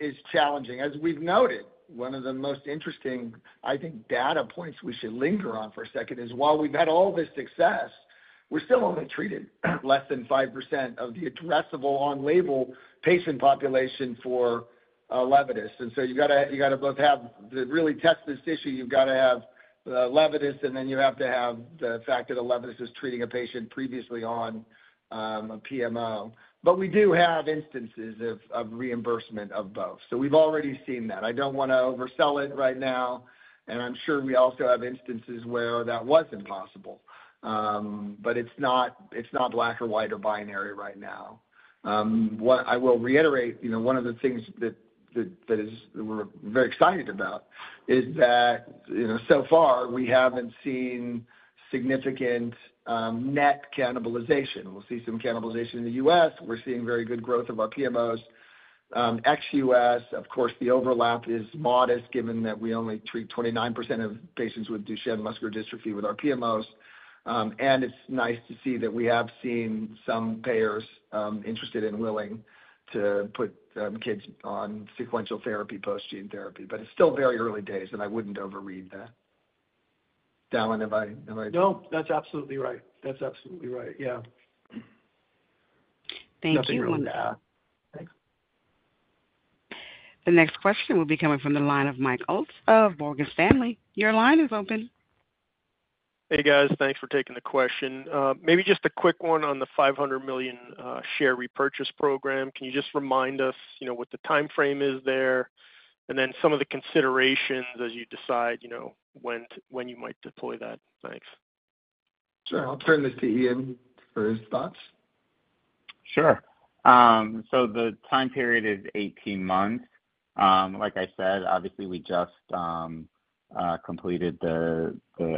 is challenging. As we've noted, one of the most interesting, I think, data points we should linger on for a second is, while we've had all this success, we're still only treating less than 5% of the addressable on-label patient population for ELEVIDYS. And so you got to both have to really test this issue. You've got to have ELEVIDYS, and then you have to have the fact that ELEVIDYS is treating a patient previously on a PMO. But we do have instances of reimbursement of both. So we've already seen that. I don't want to oversell it right now. And I'm sure we also have instances where that wasn't possible. But it's not black or white or binary right now. I will reiterate, one of the things that we're very excited about is that so far, we haven't seen significant net cannibalization. We'll see some cannibalization in the US. We're seeing very good growth of our PMOs. Ex-U.S., of course, the overlap is modest given that we only treat 29% of patients with Duchenne muscular dystrophy with our PMOs. And it's nice to see that we have seen some payers interested and willing to put kids on sequential therapy post-gene therapy. But it's still very early days, and I wouldn't overread that. Dallan, am I?
No, that's absolutely right. That's absolutely right. Yeah.
Thank you.
Nothing on that.
Thanks.
The next question will be coming from the line of Mike Ulz of Morgan Stanley. Your line is open.
Hey, guys. Thanks for taking the question. Maybe just a quick one on the 500 million share repurchase program. Can you just remind us what the timeframe is there? And then some of the considerations as you decide when you might deploy that. Thanks.
Sure. I'll turn this to Ian for his thoughts.
Sure, so the time period is 18 months. Like I said, obviously, we just completed the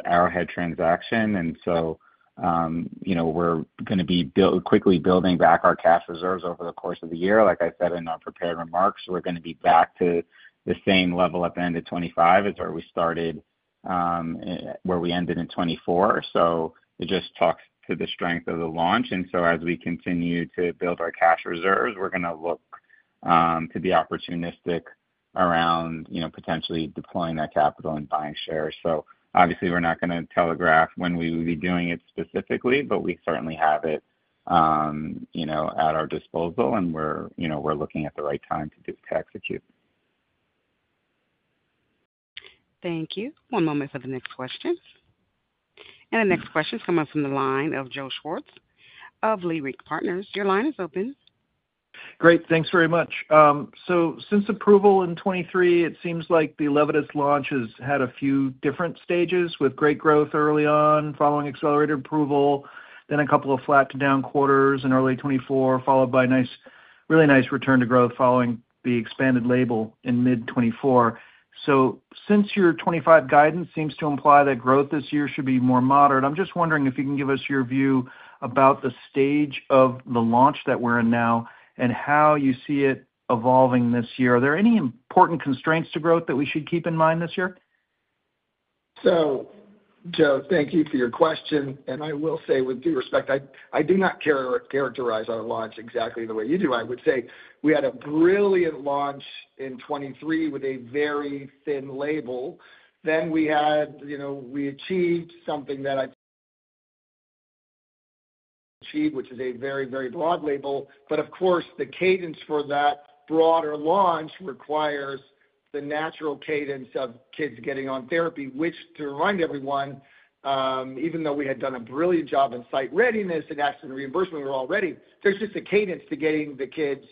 Arrowhead transaction, and so we're going to be quickly building back our cash reserves over the course of the year. Like I said in our prepared remarks, we're going to be back to the same level at the end of 2025 as where we started, where we ended in 2024, so it just talks to the strength of the launch, and so as we continue to build our cash reserves, we're going to look to be opportunistic around potentially deploying that capital and buying shares, so obviously, we're not going to telegraph when we will be doing it specifically, but we certainly have it at our disposal, and we're looking at the right time to execute.
Thank you. One moment for the next question. And the next question is coming from the line of Joe Schwartz of Leerink Partners. Your line is open.
Great. Thanks very much. So since approval in 2023, it seems like the ELEVIDYS launch has had a few different stages with great growth early on following accelerated approval, then a couple of flat to down quarters in early 2024, followed by a really nice return to growth following the expanded label in mid-2024. So since your 2025 guidance seems to imply that growth this year should be more moderate, I'm just wondering if you can give us your view about the stage of the launch that we're in now and how you see it evolving this year. Are there any important constraints to growth that we should keep in mind this year?
So Joe, thank you for your question. And I will say with due respect, I do not characterize our launch exactly the way you do. I would say we had a brilliant launch in 2023 with a very thin label. Then we achieved something that we achieved, which is a very, very broad label. But of course, the cadence for that broader launch requires the natural cadence of kids getting on therapy, which, to remind everyone, even though we had done a brilliant job in site readiness and patient reimbursement, we were already, there's just a cadence to getting the kids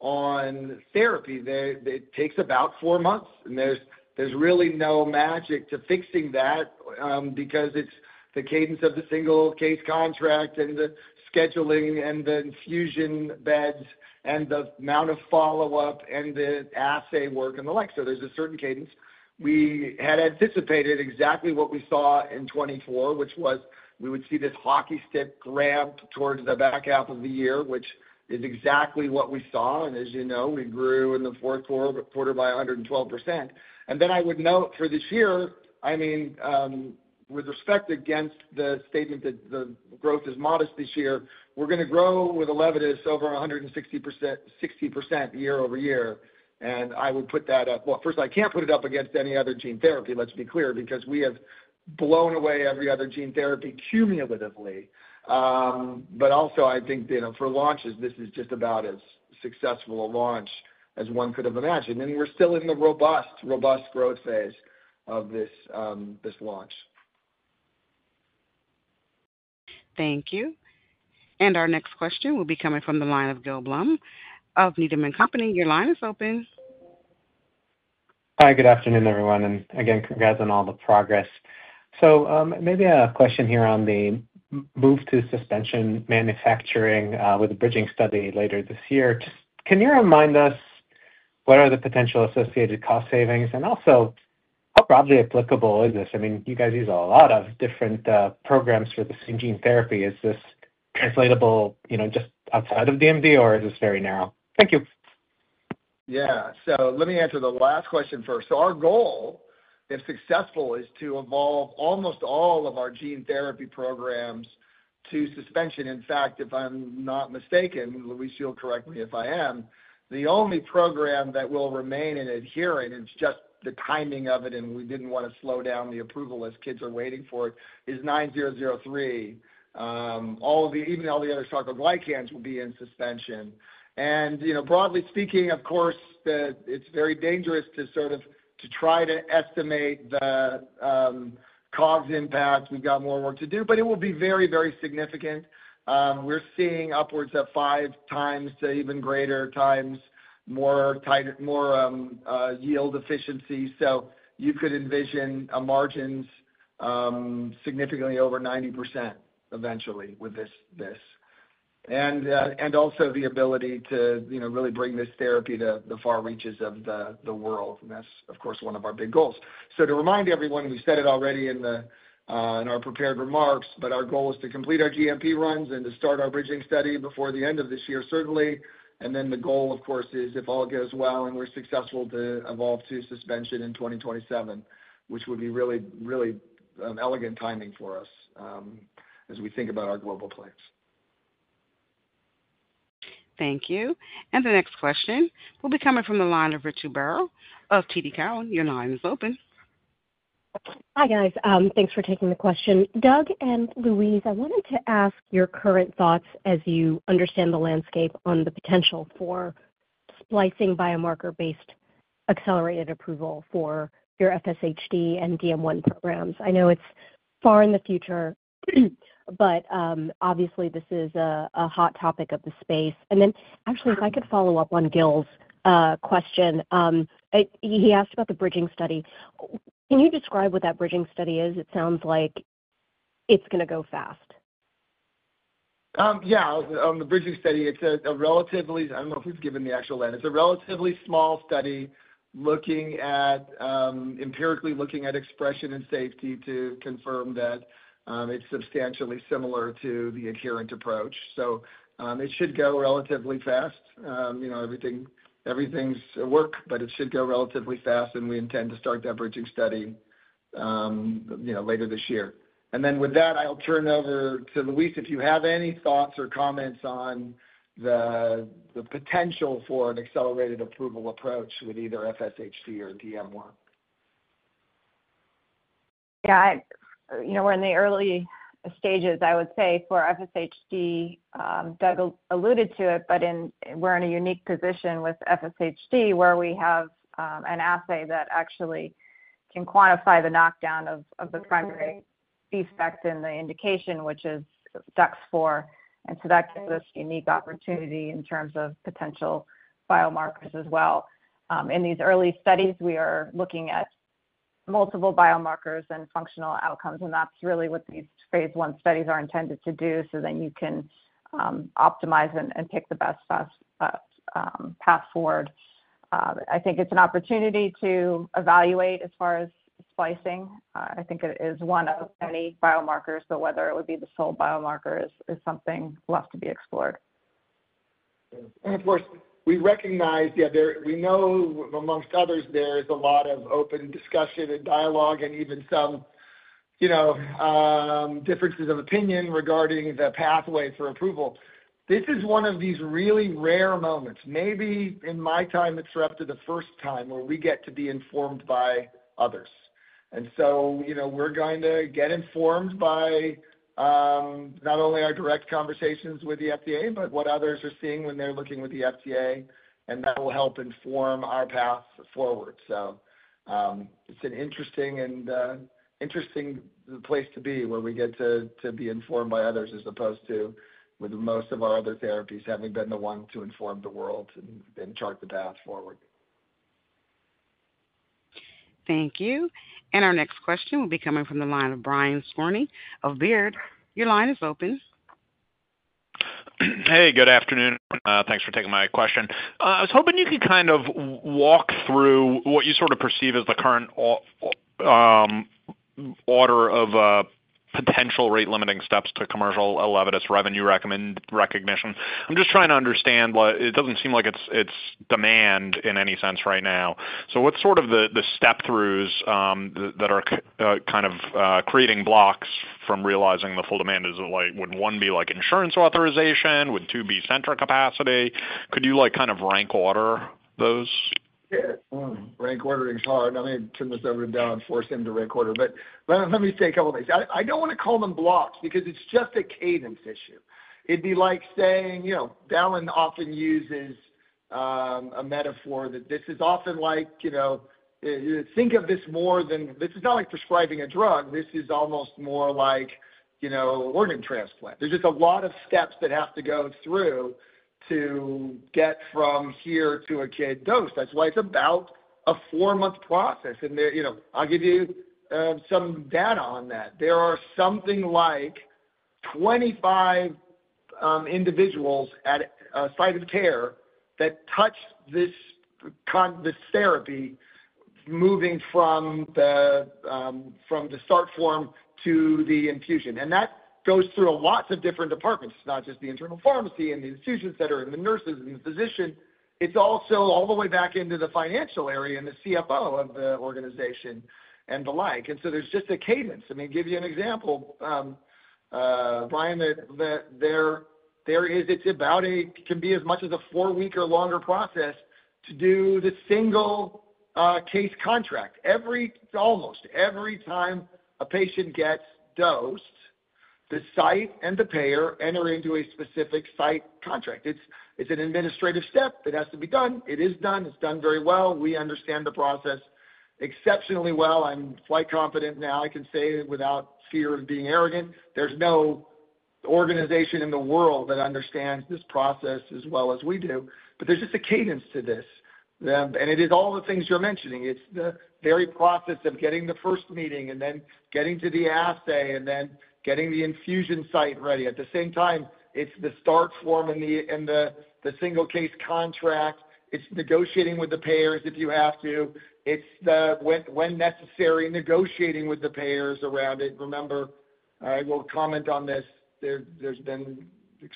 on therapy. It takes about four months. And there's really no magic to fixing that because it's the cadence of the single-case agreement and the scheduling and the infusion beds and the amount of follow-up and the assay work and the like. So there's a certain cadence. We had anticipated exactly what we saw in 2024, which was we would see this hockey stick ramp towards the back half of the year, which is exactly what we saw. As you know, we grew in the fourth quarter by 112%. Then I would note for this year, I mean, with respect to the statement that the growth is modest this year, we're going to grow with a velocity over 160% year-over-year. I would put that up. Well, first, I can't put it up against any other gene therapy, let's be clear, because we have blown away every other gene therapy cumulatively. But also, I think for launches, this is just about as successful a launch as one could have imagined. We're still in the robust, robust growth phase of this launch.
Thank you. And our next question will be coming from the line of Gil Blum of Needham & Company. Your line is open.
Hi. Good afternoon, everyone. And again, congrats on all the progress. So maybe I have a question here on the move to suspension manufacturing with a bridging study later this year. Can you remind us what are the potential associated cost savings? And also, how broadly applicable is this? I mean, you guys use a lot of different programs for the same gene therapy. Is this translatable just outside of DMD, or is this very narrow? Thank you.
Yeah. So let me answer the last question first. So our goal, if successful, is to evolve almost all of our gene therapy programs to suspension. In fact, if I'm not mistaken, Louise will correct me if I am, the only program that will remain in adherent, it's just the timing of it, and we didn't want to slow down the approval as kids are waiting for it, is 9003. Even all the other sarcoglycanopathies will be in suspension. And broadly speaking, of course, it's very dangerous to sort of try to estimate the COGS impact. We've got more work to do, but it will be very, very significant. We're seeing upwards of five times to even greater times more yield efficiency. So you could envision margins significantly over 90% eventually with this. And also the ability to really bring this therapy to the far reaches of the world. That's, of course, one of our big goals. To remind everyone, we've said it already in our prepared remarks, but our goal is to complete our GMP runs and to start our bridging study before the end of this year, certainly. Then the goal, of course, is if all goes well and we're successful to evolve to suspension in 2027, which would be really, really elegant timing for us as we think about our global plans.
Thank you. And the next question will be coming from the line of Ritu Baral of TD Cowen. Your line is open.
Hi, guys. Thanks for taking the question. Doug and Louise, I wanted to ask your current thoughts as you understand the landscape on the potential for splicing biomarker-based accelerated approval for your FSHD and DM1 programs. I know it's far in the future, but obviously, this is a hot topic in the space. And then actually, if I could follow up on Gil's question, he asked about the bridging study. Can you describe what that bridging study is? It sounds like it's going to go fast.
Yeah. On the bridging study, it's a relatively—I don't know if we've given the actual lab. It's a relatively small study looking empirically at expression and safety to confirm that it's substantially similar to the adherent approach. So it should go relatively fast. Everything's in the works, but it should go relatively fast, and we intend to start that bridging study later this year. And then with that, I'll turn it over to Louise if you have any thoughts or comments on the potential for an accelerated approval approach with either FSHD or DM1.
Yeah. We're in the early stages, I would say, for FSHD. Doug alluded to it, but we're in a unique position with FSHD where we have an assay that actually can quantify the knockdown of the primary defect in the indication, which is DUX4. And so that gives us a unique opportunity in terms of potential biomarkers as well. In these early studies, we are looking at multiple biomarkers and functional outcomes, and that's really what these phase one studies are intended to do so that you can optimize and pick the best path forward. I think it's an opportunity to evaluate as far as splicing. I think it is one of many biomarkers, but whether it would be the sole biomarker is something left to be explored.
And of course, we recognize, yeah, we know among others, there is a lot of open discussion and dialogue and even some differences of opinion regarding the pathway for approval. This is one of these really rare moments. Maybe in my time, it's up to the first time where we get to be informed by others. And so we're going to get informed by not only our direct conversations with the FDA, but what others are seeing when they're looking with the FDA, and that will help inform our path forward. So it's an interesting place to be where we get to be informed by others as opposed to with most of our other therapies having been the one to inform the world and chart the path forward.
Thank you. And our next question will be coming from the line of Brian Skorney of Baird. Your line is open.
Hey, good afternoon. Thanks for taking my question. I was hoping you could kind of walk through what you sort of perceive as the current order of potential rate-limiting steps to commercial ELEVIDYS' revenue recognition. I'm just trying to understand. It doesn't seem like it's demand in any sense right now. So what's sort of the steps that are kind of creating blocks from realizing the full demand? Would one be like insurance authorization? Would two be center capacity? Could you kind of rank order those?
Rank ordering is hard. I mean, turn this over to Dallan, force him to rank order. But let me say a couple of things. I don't want to call them blocks because it's just a cadence issue. It'd be like saying Dallan often uses a metaphor that this is often like, think of this more than this is not like prescribing a drug. This is almost more like organ transplant. There's just a lot of steps that have to go through to get from here to a kid dose. That's why it's about a four-month process. And I'll give you some data on that. There are something like 25 individuals at a site of care that touch this therapy moving from the start form to the infusion. And that goes through lots of different departments. It's not just the internal pharmacy and the institutions that are the infusion nurses and the physicians. It's also all the way back into the financial area and the CFO of the organization and the like. So there's just a cadence. I mean, give you an example, Brian, it can be as much as a four-week or longer process to do the single-case agreement. Almost every time a patient gets dosed, the site and the payer enter into a specific site agreement. It's an administrative step that has to be done. It is done. It's done very well. We understand the process exceptionally well. I'm quite confident now. I can say it without fear of being arrogant. There's no organization in the world that understands this process as well as we do. But there's just a cadence to this. It is all the things you're mentioning. It's the very process of getting the first meeting and then getting to the assay and then getting the infusion site ready. At the same time, it's the start form and the single-case agreement. It's negotiating with the payers if you have to. It's when necessary, negotiating with the payers around it. Remember, I will comment on this. There's been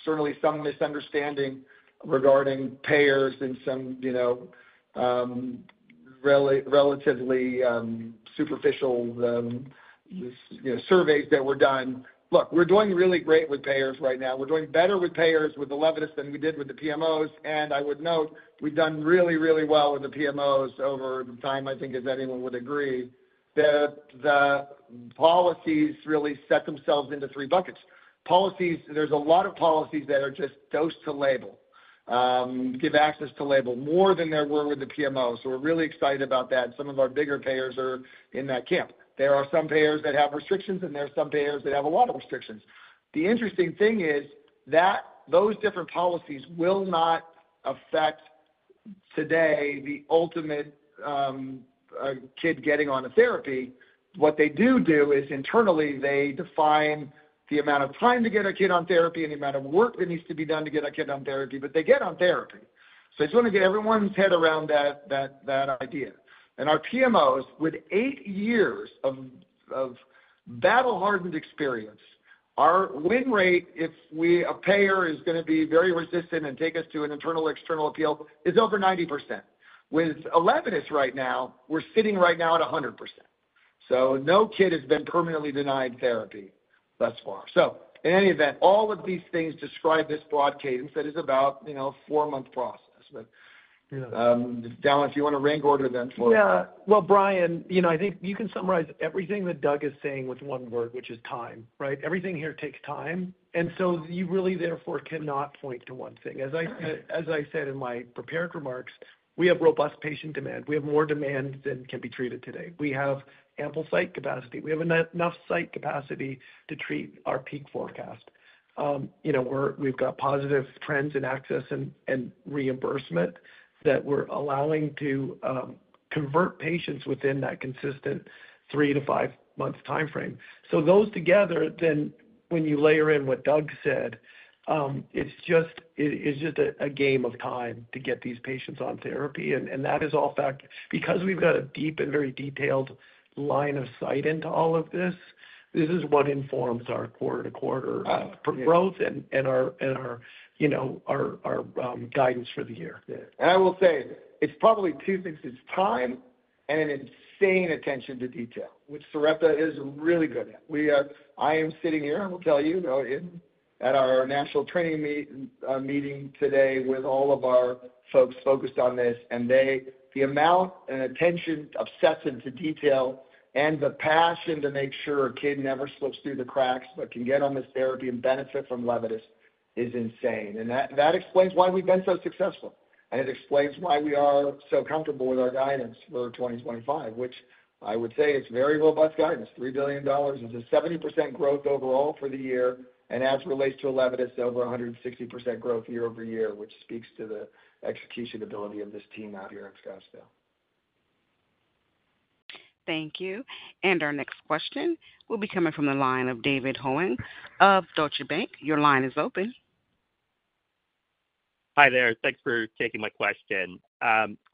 certainly some misunderstanding regarding payers and some relatively superficial surveys that were done. Look, we're doing really great with payers right now. We're doing better with payers with the ELEVIDYS than we did with the PMOs. And I would note we've done really, really well with the PMOs over the time, I think, as anyone would agree, that the policies really set themselves into three buckets. Policies, there's a lot of policies that are just close to label, give access to label more than there were with the PMOs. So we're really excited about that. Some of our bigger payers are in that camp. There are some payers that have restrictions, and there are some payers that have a lot of restrictions. The interesting thing is that those different policies will not affect today the ultimate kid getting on a therapy. What they do do is internally, they define the amount of time to get a kid on therapy and the amount of work that needs to be done to get a kid on therapy, but they get on therapy. So I just want to get everyone's head around that idea. Our PMOs, with eight years of battle-hardened experience, our win rate, if a payer is going to be very resistant and take us to an internal external appeal, is over 90%. With ELEVIDYS right now, we're sitting right now at 100%, so no kid has been permanently denied therapy thus far, so in any event, all of these things describe this broad cadence that is about a four-month process, but Dallan, if you want to rank order them for.
Yeah. Well, Brian, I think you can summarize everything that Doug is saying with one word, which is time, right? Everything here takes time. And so you really therefore cannot point to one thing. As I said in my prepared remarks, we have robust patient demand. We have more demand than can be treated today. We have ample site capacity. We have enough site capacity to treat our peak forecast. We've got positive trends in access and reimbursement that we're allowing to convert patients within that consistent three- to five-month timeframe. So those together, then when you layer in what Doug said, it's just a game of time to get these patients on therapy. And that is all fact because we've got a deep and very detailed line of sight into all of this. This is what informs our quarter-to-quarter growth and our guidance for the year.
And I will say it's probably two things. It's time and an insane attention to detail, which Sarepta is really good at. I am sitting here, I will tell you, at our national training meeting today with all of our folks focused on this, and the amount of attention obsessive to detail and the passion to make sure a kid never slips through the cracks but can get on this therapy and benefit from ELEVIDYS is insane. And that explains why we've been so successful. And it explains why we are so comfortable with our guidance for 2025, which I would say is very robust guidance. $3 billion is a 70% growth overall for the year. And as it relates to ELEVIDYS, over 160% growth year-over-year, which speaks to the execution ability of this team out here in Scottsdale.
Thank you. And our next question will be coming from the line of David Hoang of Deutsche Bank. Your line is open.
Hi there. Thanks for taking my question.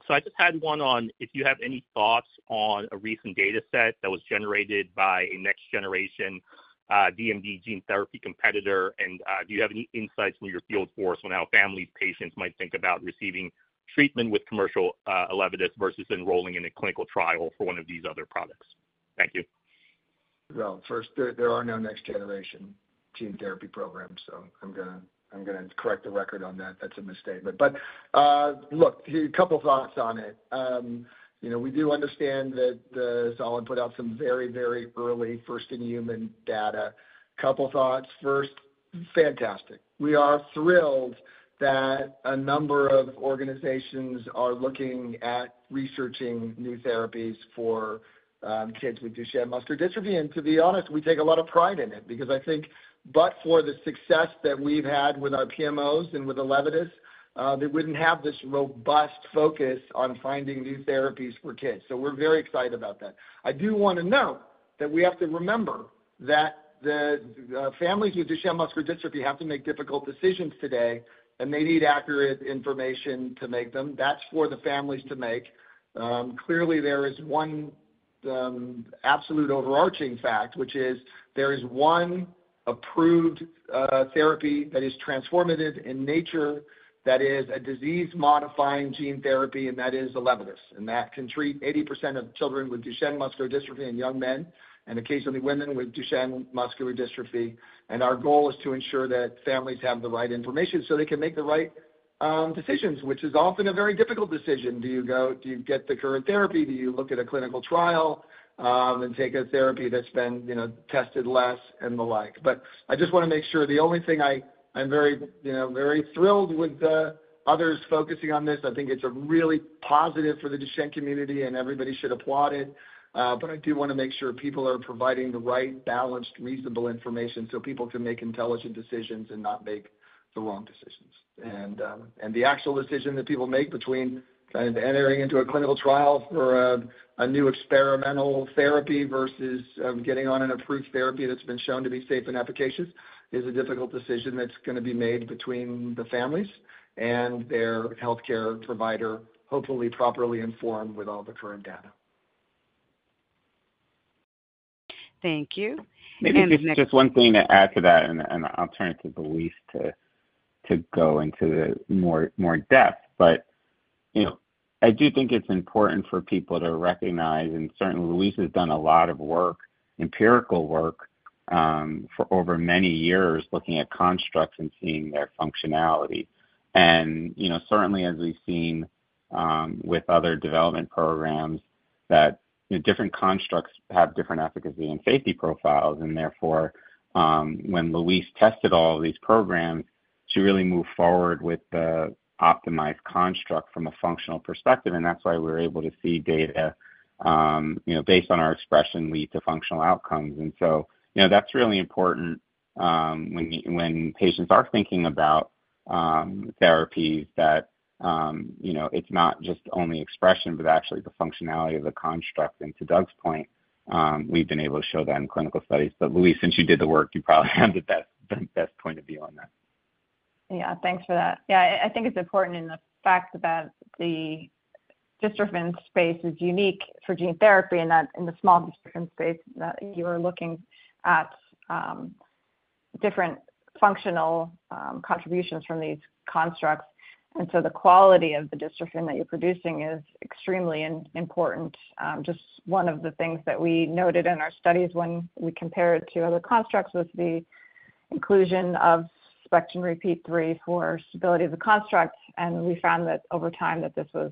So I just had one on if you have any thoughts on a recent data set that was generated by a next-generation DMD gene therapy competitor, and do you have any insights from your field force on how families, patients might think about receiving treatment with commercial ELEVIDYS versus enrolling in a clinical trial for one of these other products? Thank you.
First, there are no next-generation gene therapy programs, so I'm going to correct the record on that. That's a misstatement. Look, a couple of thoughts on it. We do understand that Solid put out some very, very early first-in-human data. A couple of thoughts first. Fantastic. We are thrilled that a number of organizations are looking at researching new therapies for kids with Duchenne muscular dystrophy. To be honest, we take a lot of pride in it because I think, but for the success that we've had with our PMOs and with ELEVIDYS, they wouldn't have this robust focus on finding new therapies for kids. We're very excited about that. I do want to note that we have to remember that the families with Duchenne muscular dystrophy have to make difficult decisions today, and they need accurate information to make them. That's for the families to make. Clearly, there is one absolute overarching fact, which is there is one approved therapy that is transformative in nature that is a disease-modifying gene therapy, and that is ELEVIDYS. That can treat 80% of children with Duchenne muscular dystrophy and young men and occasionally women with Duchenne muscular dystrophy. Our goal is to ensure that families have the right information so they can make the right decisions, which is often a very difficult decision. Do you get the current therapy? Do you look at a clinical trial and take a therapy that's been tested less and the like? I just want to make sure the only thing I'm very thrilled with others focusing on this. I think it's really positive for the Duchenne community, and everybody should applaud it. But I do want to make sure people are providing the right balanced, reasonable information so people can make intelligent decisions and not make the wrong decisions. And the actual decision that people make between kind of entering into a clinical trial for a new experimental therapy versus getting on an approved therapy that's been shown to be safe and efficacious is a difficult decision that's going to be made between the families and their healthcare provider, hopefully properly informed with all the current data.
Thank you. And next.
Just one thing to add to that, and I'll turn it to Louise to go into more depth, but I do think it's important for people to recognize, and certainly Louise has done a lot of work, empirical work for over many years looking at constructs and seeing their functionality. And certainly, as we've seen with other development programs, that different constructs have different efficacy and safety profiles. And therefore, when Louise tested all of these programs, she really moved forward with the optimized construct from a functional perspective. And that's why we're able to see data based on our expression lead to functional outcomes. And so that's really important when patients are thinking about therapies that it's not just only expression, but actually the functionality of the construct. And to Doug's point, we've been able to show that in clinical studies. But Louise, since you did the work, you probably have the best point of view on that.
Yeah. Thanks for that. Yeah. I think it's important in the fact that the dystrophin space is unique for gene therapy and that in the small dystrophin space that you are looking at different functional contributions from these constructs. And so the quality of the dystrophin that you're producing is extremely important. Just one of the things that we noted in our studies when we compared it to other constructs was the inclusion of spectrin repeat three for stability of the construct. And we found that over time that this was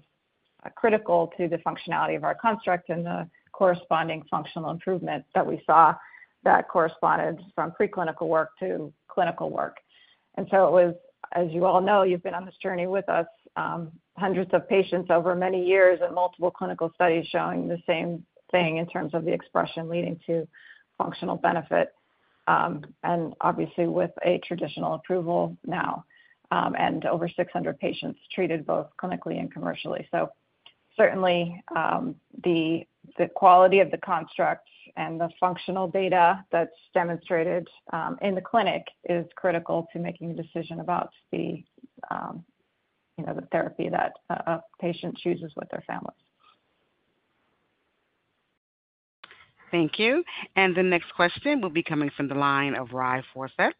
critical to the functionality of our construct and the corresponding functional improvement that we saw that corresponded from preclinical work to clinical work. And so it was, as you all know, you've been on this journey with us, hundreds of patients over many years and multiple clinical studies showing the same thing in terms of the expression leading to functional benefit. And obviously with a traditional approval now and over 600 patients treated both clinically and commercially. So certainly the quality of the constructs and the functional data that's demonstrated in the clinic is critical to making a decision about the therapy that a patient chooses with their families.
Thank you, and the next question will be coming from the line of Ry Forseth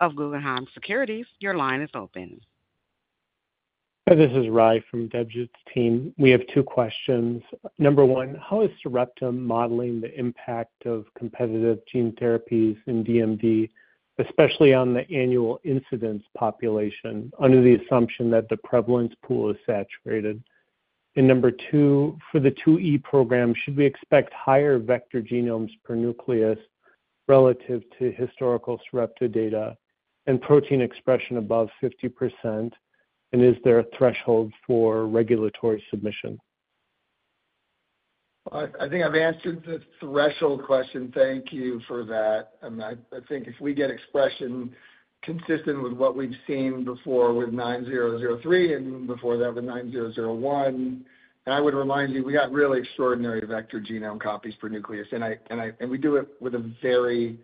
of Guggenheim Securities. Your line is open.
This is Ry from Debjit's team. We have two questions. Number one, how is Sarepta modeling the impact of competitive gene therapies in DMD, especially on the annual incidence population under the assumption that the prevalence pool is saturated? And number two, for the 2E program, should we expect higher vector genomes per nucleus relative to historical Sarepta data and protein expression above 50%? And is there a threshold for regulatory submission?
I think I've answered the threshold question. Thank you for that. I think if we get expression consistent with what we've seen before with 9003 and before that with 9001, and I would remind you, we got really extraordinary vector genome copies per nucleus, and we do it with a very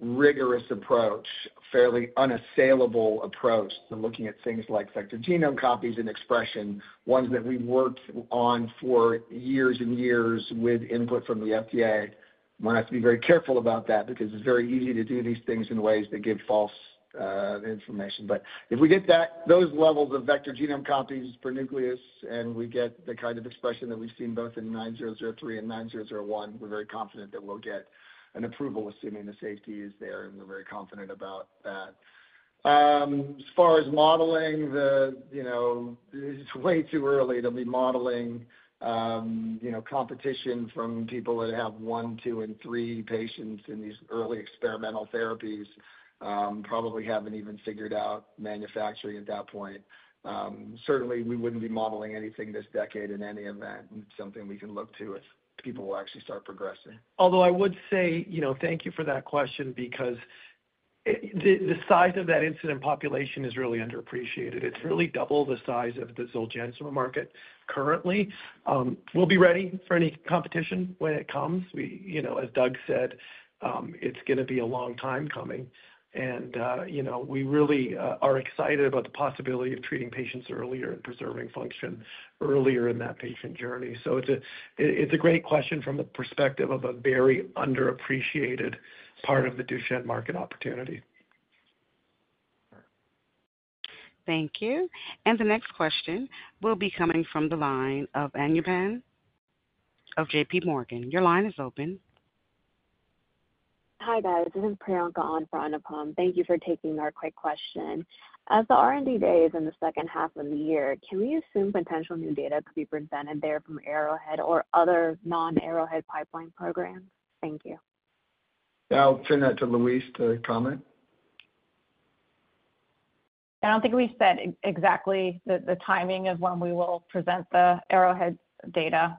rigorous approach, a fairly unassailable approach to looking at things like vector genome copies and expression, ones that we've worked on for years and years with input from the FDA. We have to be very careful about that because it's very easy to do these things in ways that give false information, but if we get those levels of vector genome copies per nucleus and we get the kind of expression that we've seen both in 9003 and 9001, we're very confident that we'll get an approval assuming the safety is there, and we're very confident about that. As far as modeling, it's way too early to be modeling competition from people that have one, two, and three patients in these early experimental therapies, probably haven't even figured out manufacturing at that point. Certainly, we wouldn't be modeling anything this decade in any event. It's something we can look to if people will actually start progressing.
Although I would say thank you for that question because the size of that incident population is really underappreciated. It's really double the size of the Zolgensma market currently. We'll be ready for any competition when it comes. As Doug said, it's going to be a long time coming. And we really are excited about the possibility of treating patients earlier and preserving function earlier in that patient journey, so it's a great question from the perspective of a very underappreciated part of the Duchenne market opportunity.
Thank you. And the next question will be coming from the line of JPMorgan. Your line is open.
Hi, guys. This is Priyanka from JPMorgan. Thank you for taking our quick question. As the R&D Day is in the second half of the year, can we assume potential new data could be presented there from Arrowhead or other non-Arrowhead pipeline programs? Thank you.
I'll turn that to Louise to comment.
I don't think we said exactly the timing of when we will present the Arrowhead data.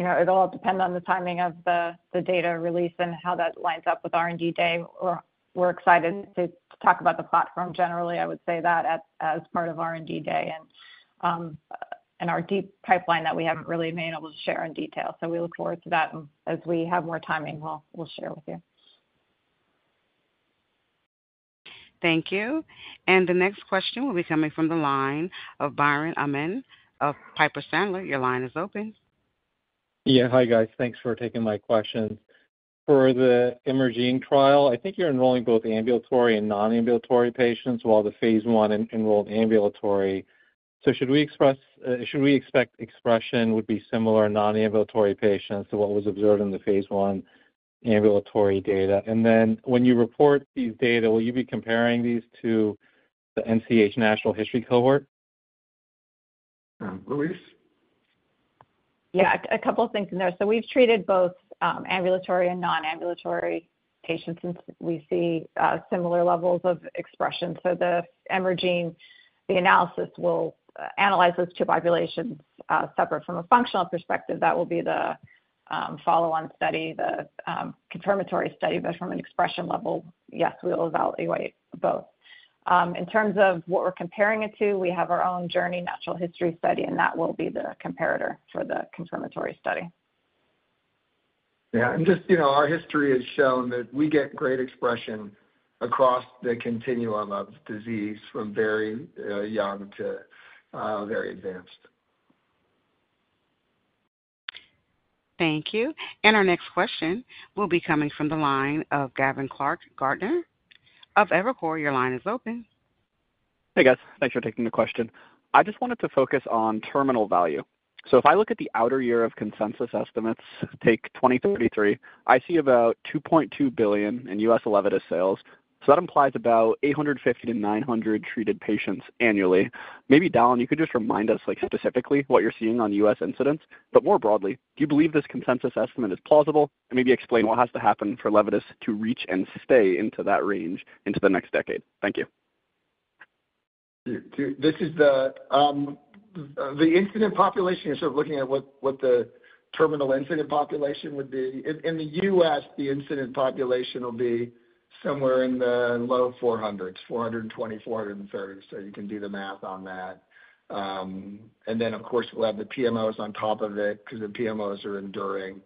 It'll all depend on the timing of the data release and how that lines up with R&D Day. We're excited to talk about the platform generally. I would say that as part of R&D Day and our deep pipeline that we haven't really been able to share in detail. So we look forward to that, and as we have more timing, we'll share with you.
Thank you. And the next question will be coming from the line of Biren Amin of Piper Sandler. Your line is open.
Yeah. Hi, guys. Thanks for taking my questions. For the imaging trial, I think you're enrolling both ambulatory and non-ambulatory patients while the phase one enrolled ambulatory. So should we expect expression would be similar non-ambulatory patients to what was observed in the phase one ambulatory data? And then when you report these data, will you be comparing these to the natural history cohort?
Louise?
Yeah. A couple of things in there. So we've treated both ambulatory and non-ambulatory patients since we see similar levels of expression. So the emerging analysis will analyze those two populations separate from a functional perspective. That will be the follow-on study, the confirmatory study. But from an expression level, yes, we'll evaluate both. In terms of what we're comparing it to, we have our own Journey Natural History Study, and that will be the comparator for the confirmatory study.
Yeah, and just our history has shown that we get great expression across the continuum of disease from very young to very advanced.
Thank you. And our next question will be coming from the line of Gavin Clark-Gartner of Evercore. Your line is open.
Hey, guys. Thanks for taking the question. I just wanted to focus on terminal value. So if I look at the outer year of consensus estimates, take 2033, I see about $2.2 billion in U.S. ELEVIDYS sales. So that implies about 850-900 treated patients annually. Maybe Dallan, you could just remind us specifically what you're seeing on U.S. incidence. But more broadly, do you believe this consensus estimate is plausible? And maybe explain what has to happen for ELEVIDYS to reach and stay into that range into the next decade. Thank you.
This is the incident population. You're sort of looking at what the terminal incident population would be. In the U.S., the incident population will be somewhere in the low 400s, 420, 430. So you can do the math on that, and then, of course, we'll have the PMOs on top of it because the PMOs are enduring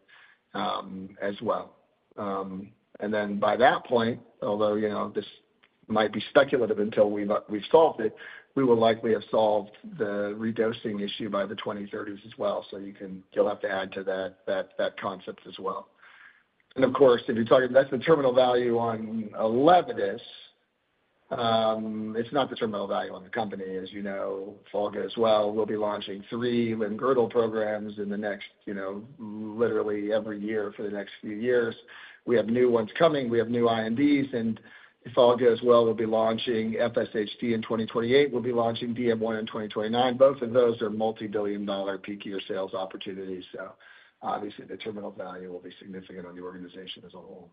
as well. And then by that point, although this might be speculative until we've solved it, we will likely have solved the redosing issue by the 2030s as well. So you'll have to add to that concept as well, and of course, if you're talking about the terminal value on ELEVIDYS, it's not the terminal value on the company. As you know, if all goes well, we'll be launching three limb-girdle programs in the next literally every year for the next few years. We have new ones coming. We have new INDs. And if all goes well, we'll be launching FSHD in 2028. We'll be launching DM1 in 2029. Both of those are multi-billion dollar peak year sales opportunities. So obviously, the terminal value will be significant on the organization as a whole.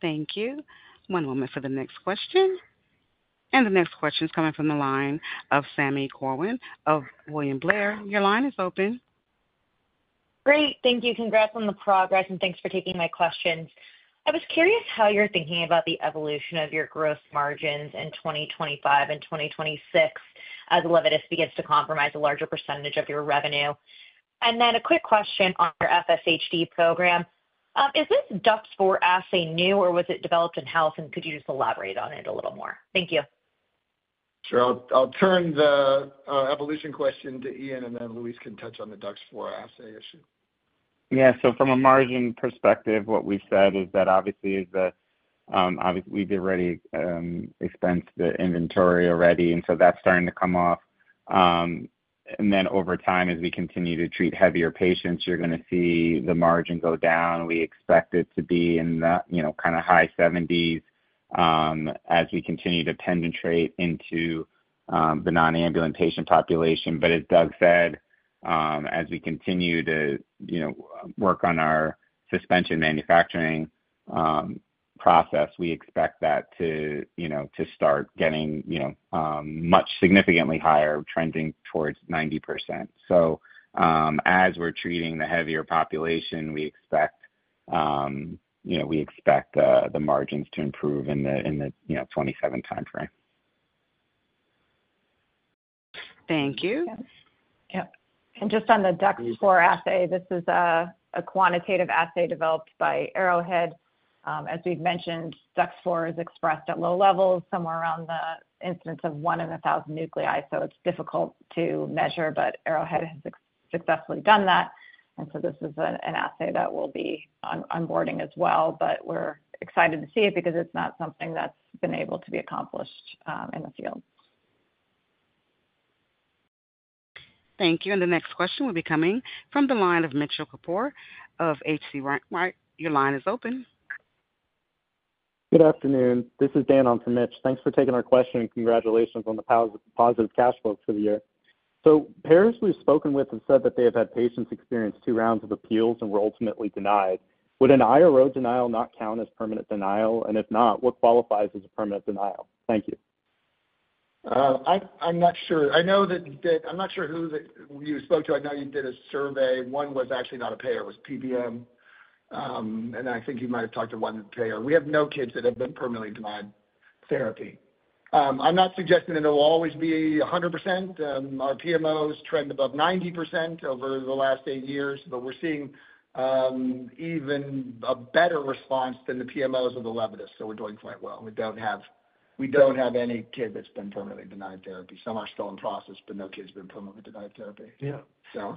Thank you. One moment for the next question. The next question is coming from the line of Sami Corwin of William Blair. Your line is open.
Great. Thank you. Congrats on the progress. And thanks for taking my questions. I was curious how you're thinking about the evolution of your gross margins in 2025 and 2026 as ELEVIDYS begins to comprise a larger percentage of your revenue. And then a quick question on your FSHD program. Is this DUX4 assay new, or was it developed in-house? And could you just elaborate on it a little more? Thank you.
Sure. I'll turn the ELEVIDYS question to Ian, and then Louise can touch on the DUX4 assay issue.
Yeah. So from a margin perspective, what we've said is that obviously, we've already expensed the inventory already. And then over time, as we continue to treat heavier patients, you're going to see the margin go down. We expect it to be in the kind of high 70s% as we continue to penetrate into the non-ambulatory patient population. But as Doug said, as we continue to work on our suspension manufacturing process, we expect that to start getting much significantly higher, trending towards 90%. So as we're treating the heavier population, we expect the margins to improve in the 2027 timeframe.
Thank you.
Just on the DUX4 assay, this is a quantitative assay developed by Arrowhead. As we've mentioned, DUX4 is expressed at low levels, somewhere around the incidence of one in a thousand nuclei. It's difficult to measure, but Arrowhead has successfully done that. This is an assay that we'll be onboarding as well. We're excited to see it because it's not something that's been able to be accomplished in the field.
Thank you. And the next question will be coming from the line of Mitchell Kapoor of H.C. Wainwright. Your line is open.
Good afternoon. This is Dan on from Mitch. Thanks for taking our question. Congratulations on the positive cash flow for the year. So, payers we've spoken with have said that they have had patients experience two rounds of appeals and were ultimately denied. Would an IRO denial not count as permanent denial? And if not, what qualifies as a permanent denial? Thank you.
I'm not sure. I know that I'm not sure who you spoke to. I know you did a survey. One was actually not a payer. It was PBM, and I think you might have talked to one payer. We have no kids that have been permanently denied therapy. I'm not suggesting that it will always be 100%. Our PMOs trend above 90% over the last eight years, but we're seeing even a better response than the PMOs of the ELEVIDYS, so we're doing quite well. We don't have any kid that's been permanently denied therapy. Some are still in process, but no kid's been permanently denied therapy.
Yeah.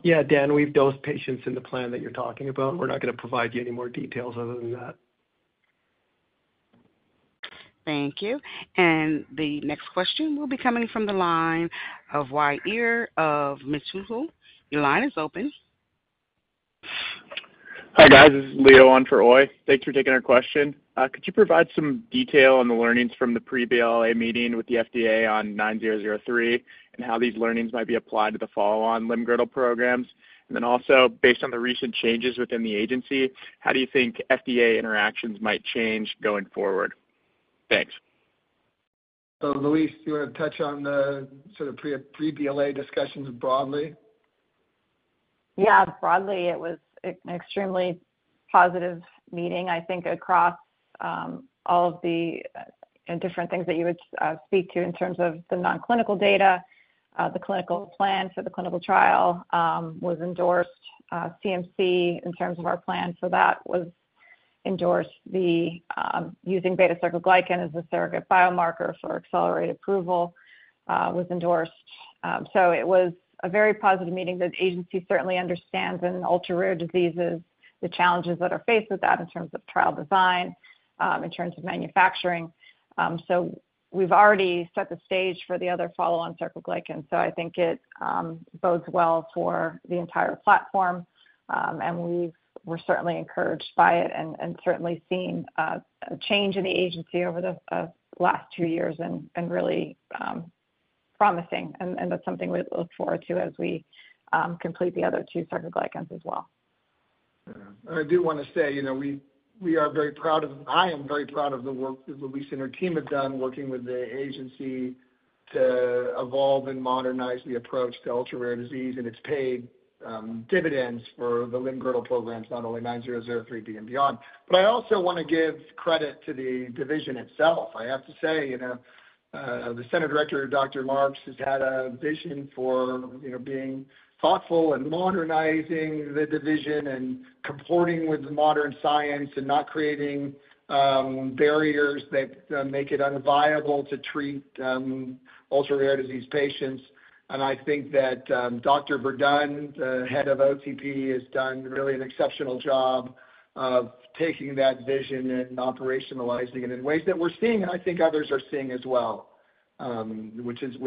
Yeah, Dan, we've dosed patients in the plan that you're talking about. We're not going to provide you any more details other than that.
Thank you. And the next question will be coming from the line of Uy Ear of Mizuho Securities. Your line is open.
Hi, guys. This is Leo on for Uy. Thanks for taking our question. Could you provide some detail on the learnings from the pre-BLA meeting with the FDA on 9003 and how these learnings might be applied to the follow-on limb-girdle programs? And then also, based on the recent changes within the agency, how do you think FDA interactions might change going forward? Thanks.
So Louise, do you want to touch on the sort of pre-BLA discussions broadly?
Yeah. Broadly, it was an extremely positive meeting, I think, across all of the different things that you would speak to in terms of the non-clinical data. The clinical plan for the clinical trial was endorsed. CMC, in terms of our plan for that, was endorsed. Using beta-sarcoglycan as a surrogate biomarker for accelerated approval was endorsed. So it was a very positive meeting that the agency certainly understands in ultra-rare diseases, the challenges that are faced with that in terms of trial design, in terms of manufacturing. So we've already set the stage for the other follow-on sarcoglycan. So I think it bodes well for the entire platform. And we're certainly encouraged by it and certainly seeing a change in the agency over the last two years and really promising. And that's something we look forward to as we complete the other two sarcoglycans as well.
I do want to say we are very proud of- I am very proud of the work that Louise and her team have done working with the agency to evolve and modernize the approach to ultra-rare disease. And it's paid dividends for the limb girdle programs, not only 9003B and beyond. But I also want to give credit to the division itself. I have to say the center director, Dr. Marks, has had a vision for being thoughtful and modernizing the division and comporting with modern science and not creating barriers that make it unviable to treat ultra-rare disease patients. And I think that Dr. Verdun, the head of OTP, has done really an exceptional job of taking that vision and operationalizing it in ways that we're seeing and I think others are seeing as well, which, as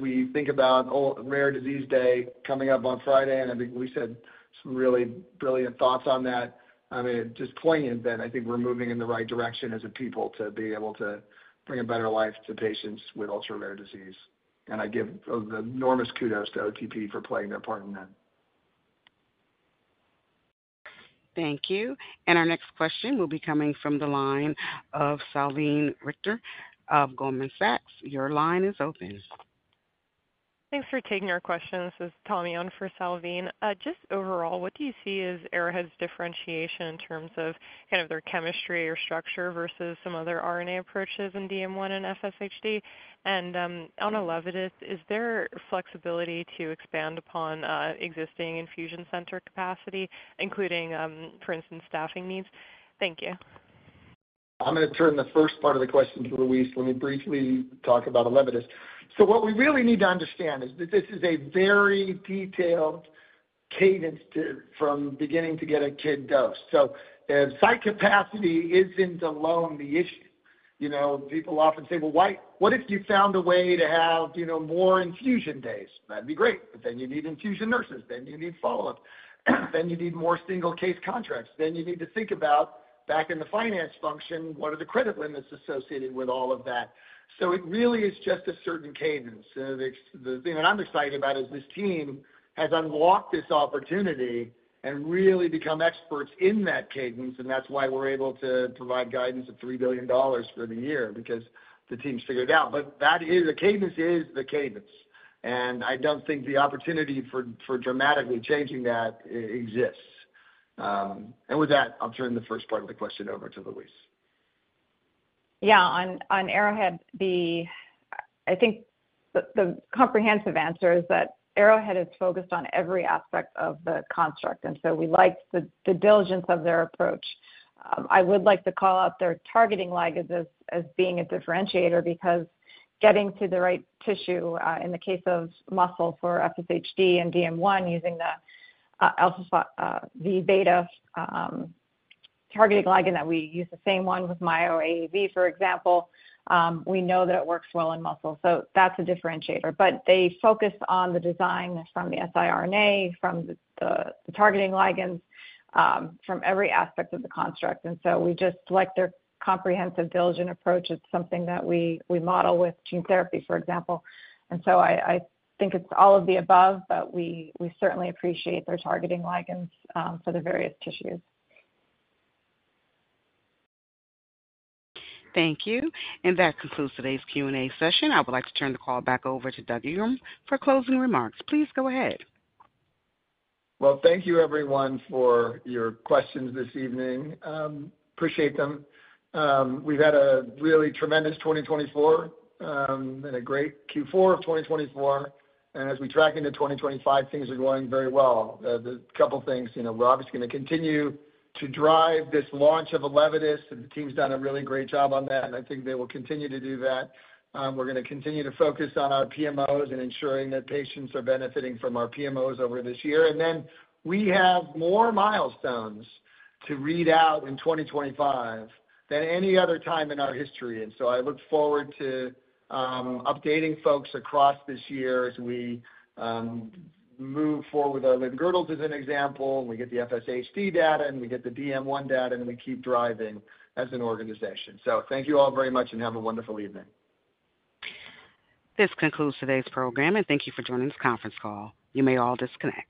we think about Rare Disease Day coming up on Friday, and I think Louise had some really brilliant thoughts on that, I mean, it just points that I think we're moving in the right direction as a people to be able to bring a better life to patients with ultra-rare disease. And I give enormous kudos to OTP for playing their part in that.
Thank you. And our next question will be coming from the line of Salveen Richter of Goldman Sachs. Your line is open.
Thanks for taking our questions. This is Tommy on for Salveen. Just overall, what do you see as Arrowhead's differentiation in terms of kind of their chemistry or structure versus some other RNA approaches in DM1 and FSHD? And on ELEVIDYS, is there flexibility to expand upon existing infusion center capacity, including, for instance, staffing needs? Thank you.
I'm going to turn the first part of the question to Louise. Let me briefly talk about ELEVIDYS. So what we really need to understand is that this is a very detailed cadence from beginning to get a kid dosed. So site capacity isn't alone the issue. People often say, "Well, what if you found a way to have more infusion days?" That'd be great. But then you need infusion nurses. Then you need follow-up. Then you need more single case contracts. Then you need to think about, back in the finance function, what are the credit limits associated with all of that? So it really is just a certain cadence. And the thing that I'm excited about is this team has unlocked this opportunity and really become experts in that cadence. And that's why we're able to provide guidance of $3 billion for the year because the team's figured it out. But the cadence is the cadence. And I don't think the opportunity for dramatically changing that exists. And with that, I'll turn the first part of the question over to Louise.
Yeah. On Arrowhead, I think the comprehensive answer is that Arrowhead is focused on every aspect of the construct. And so we like the diligence of their approach. I would like to call out their targeting ligands as being a differentiator because getting to the right tissue in the case of muscle for FSHD and DM1 using the alpha-v beta targeting ligand that we use the same one with MyoAAV, for example. We know that it works well in muscle. So that's a differentiator. But they focus on the design from the siRNA, from the targeting ligands, from every aspect of the construct. And so we just like their comprehensive diligent approach. It's something that we model with gene therapy, for example. And so I think it's all of the above, but we certainly appreciate their targeting ligands for the various tissues.
Thank you. And that concludes today's Q&A session. I would like to turn the call back over to Doug Ingram for closing remarks. Please go ahead.
Thank you, everyone, for your questions this evening. Appreciate them. We've had a really tremendous 2024 and a great Q4 of 2024. As we track into 2025, things are going very well. A couple of things. We're obviously going to continue to drive this launch of ELEVIDYS. The team's done a really great job on that. I think they will continue to do that. We're going to continue to focus on our PMOs and ensuring that patients are benefiting from our PMOs over this year. We have more milestones to read out in 2025 than any other time in our history. I look forward to updating folks across this year as we move forward with our limb-girdle as an example. We get the FSHD data, and we get the DM1 data, and we keep driving as an organization. Thank you all very much, and have a wonderful evening.
This concludes today's program, and thank you for joining this conference call. You may all disconnect.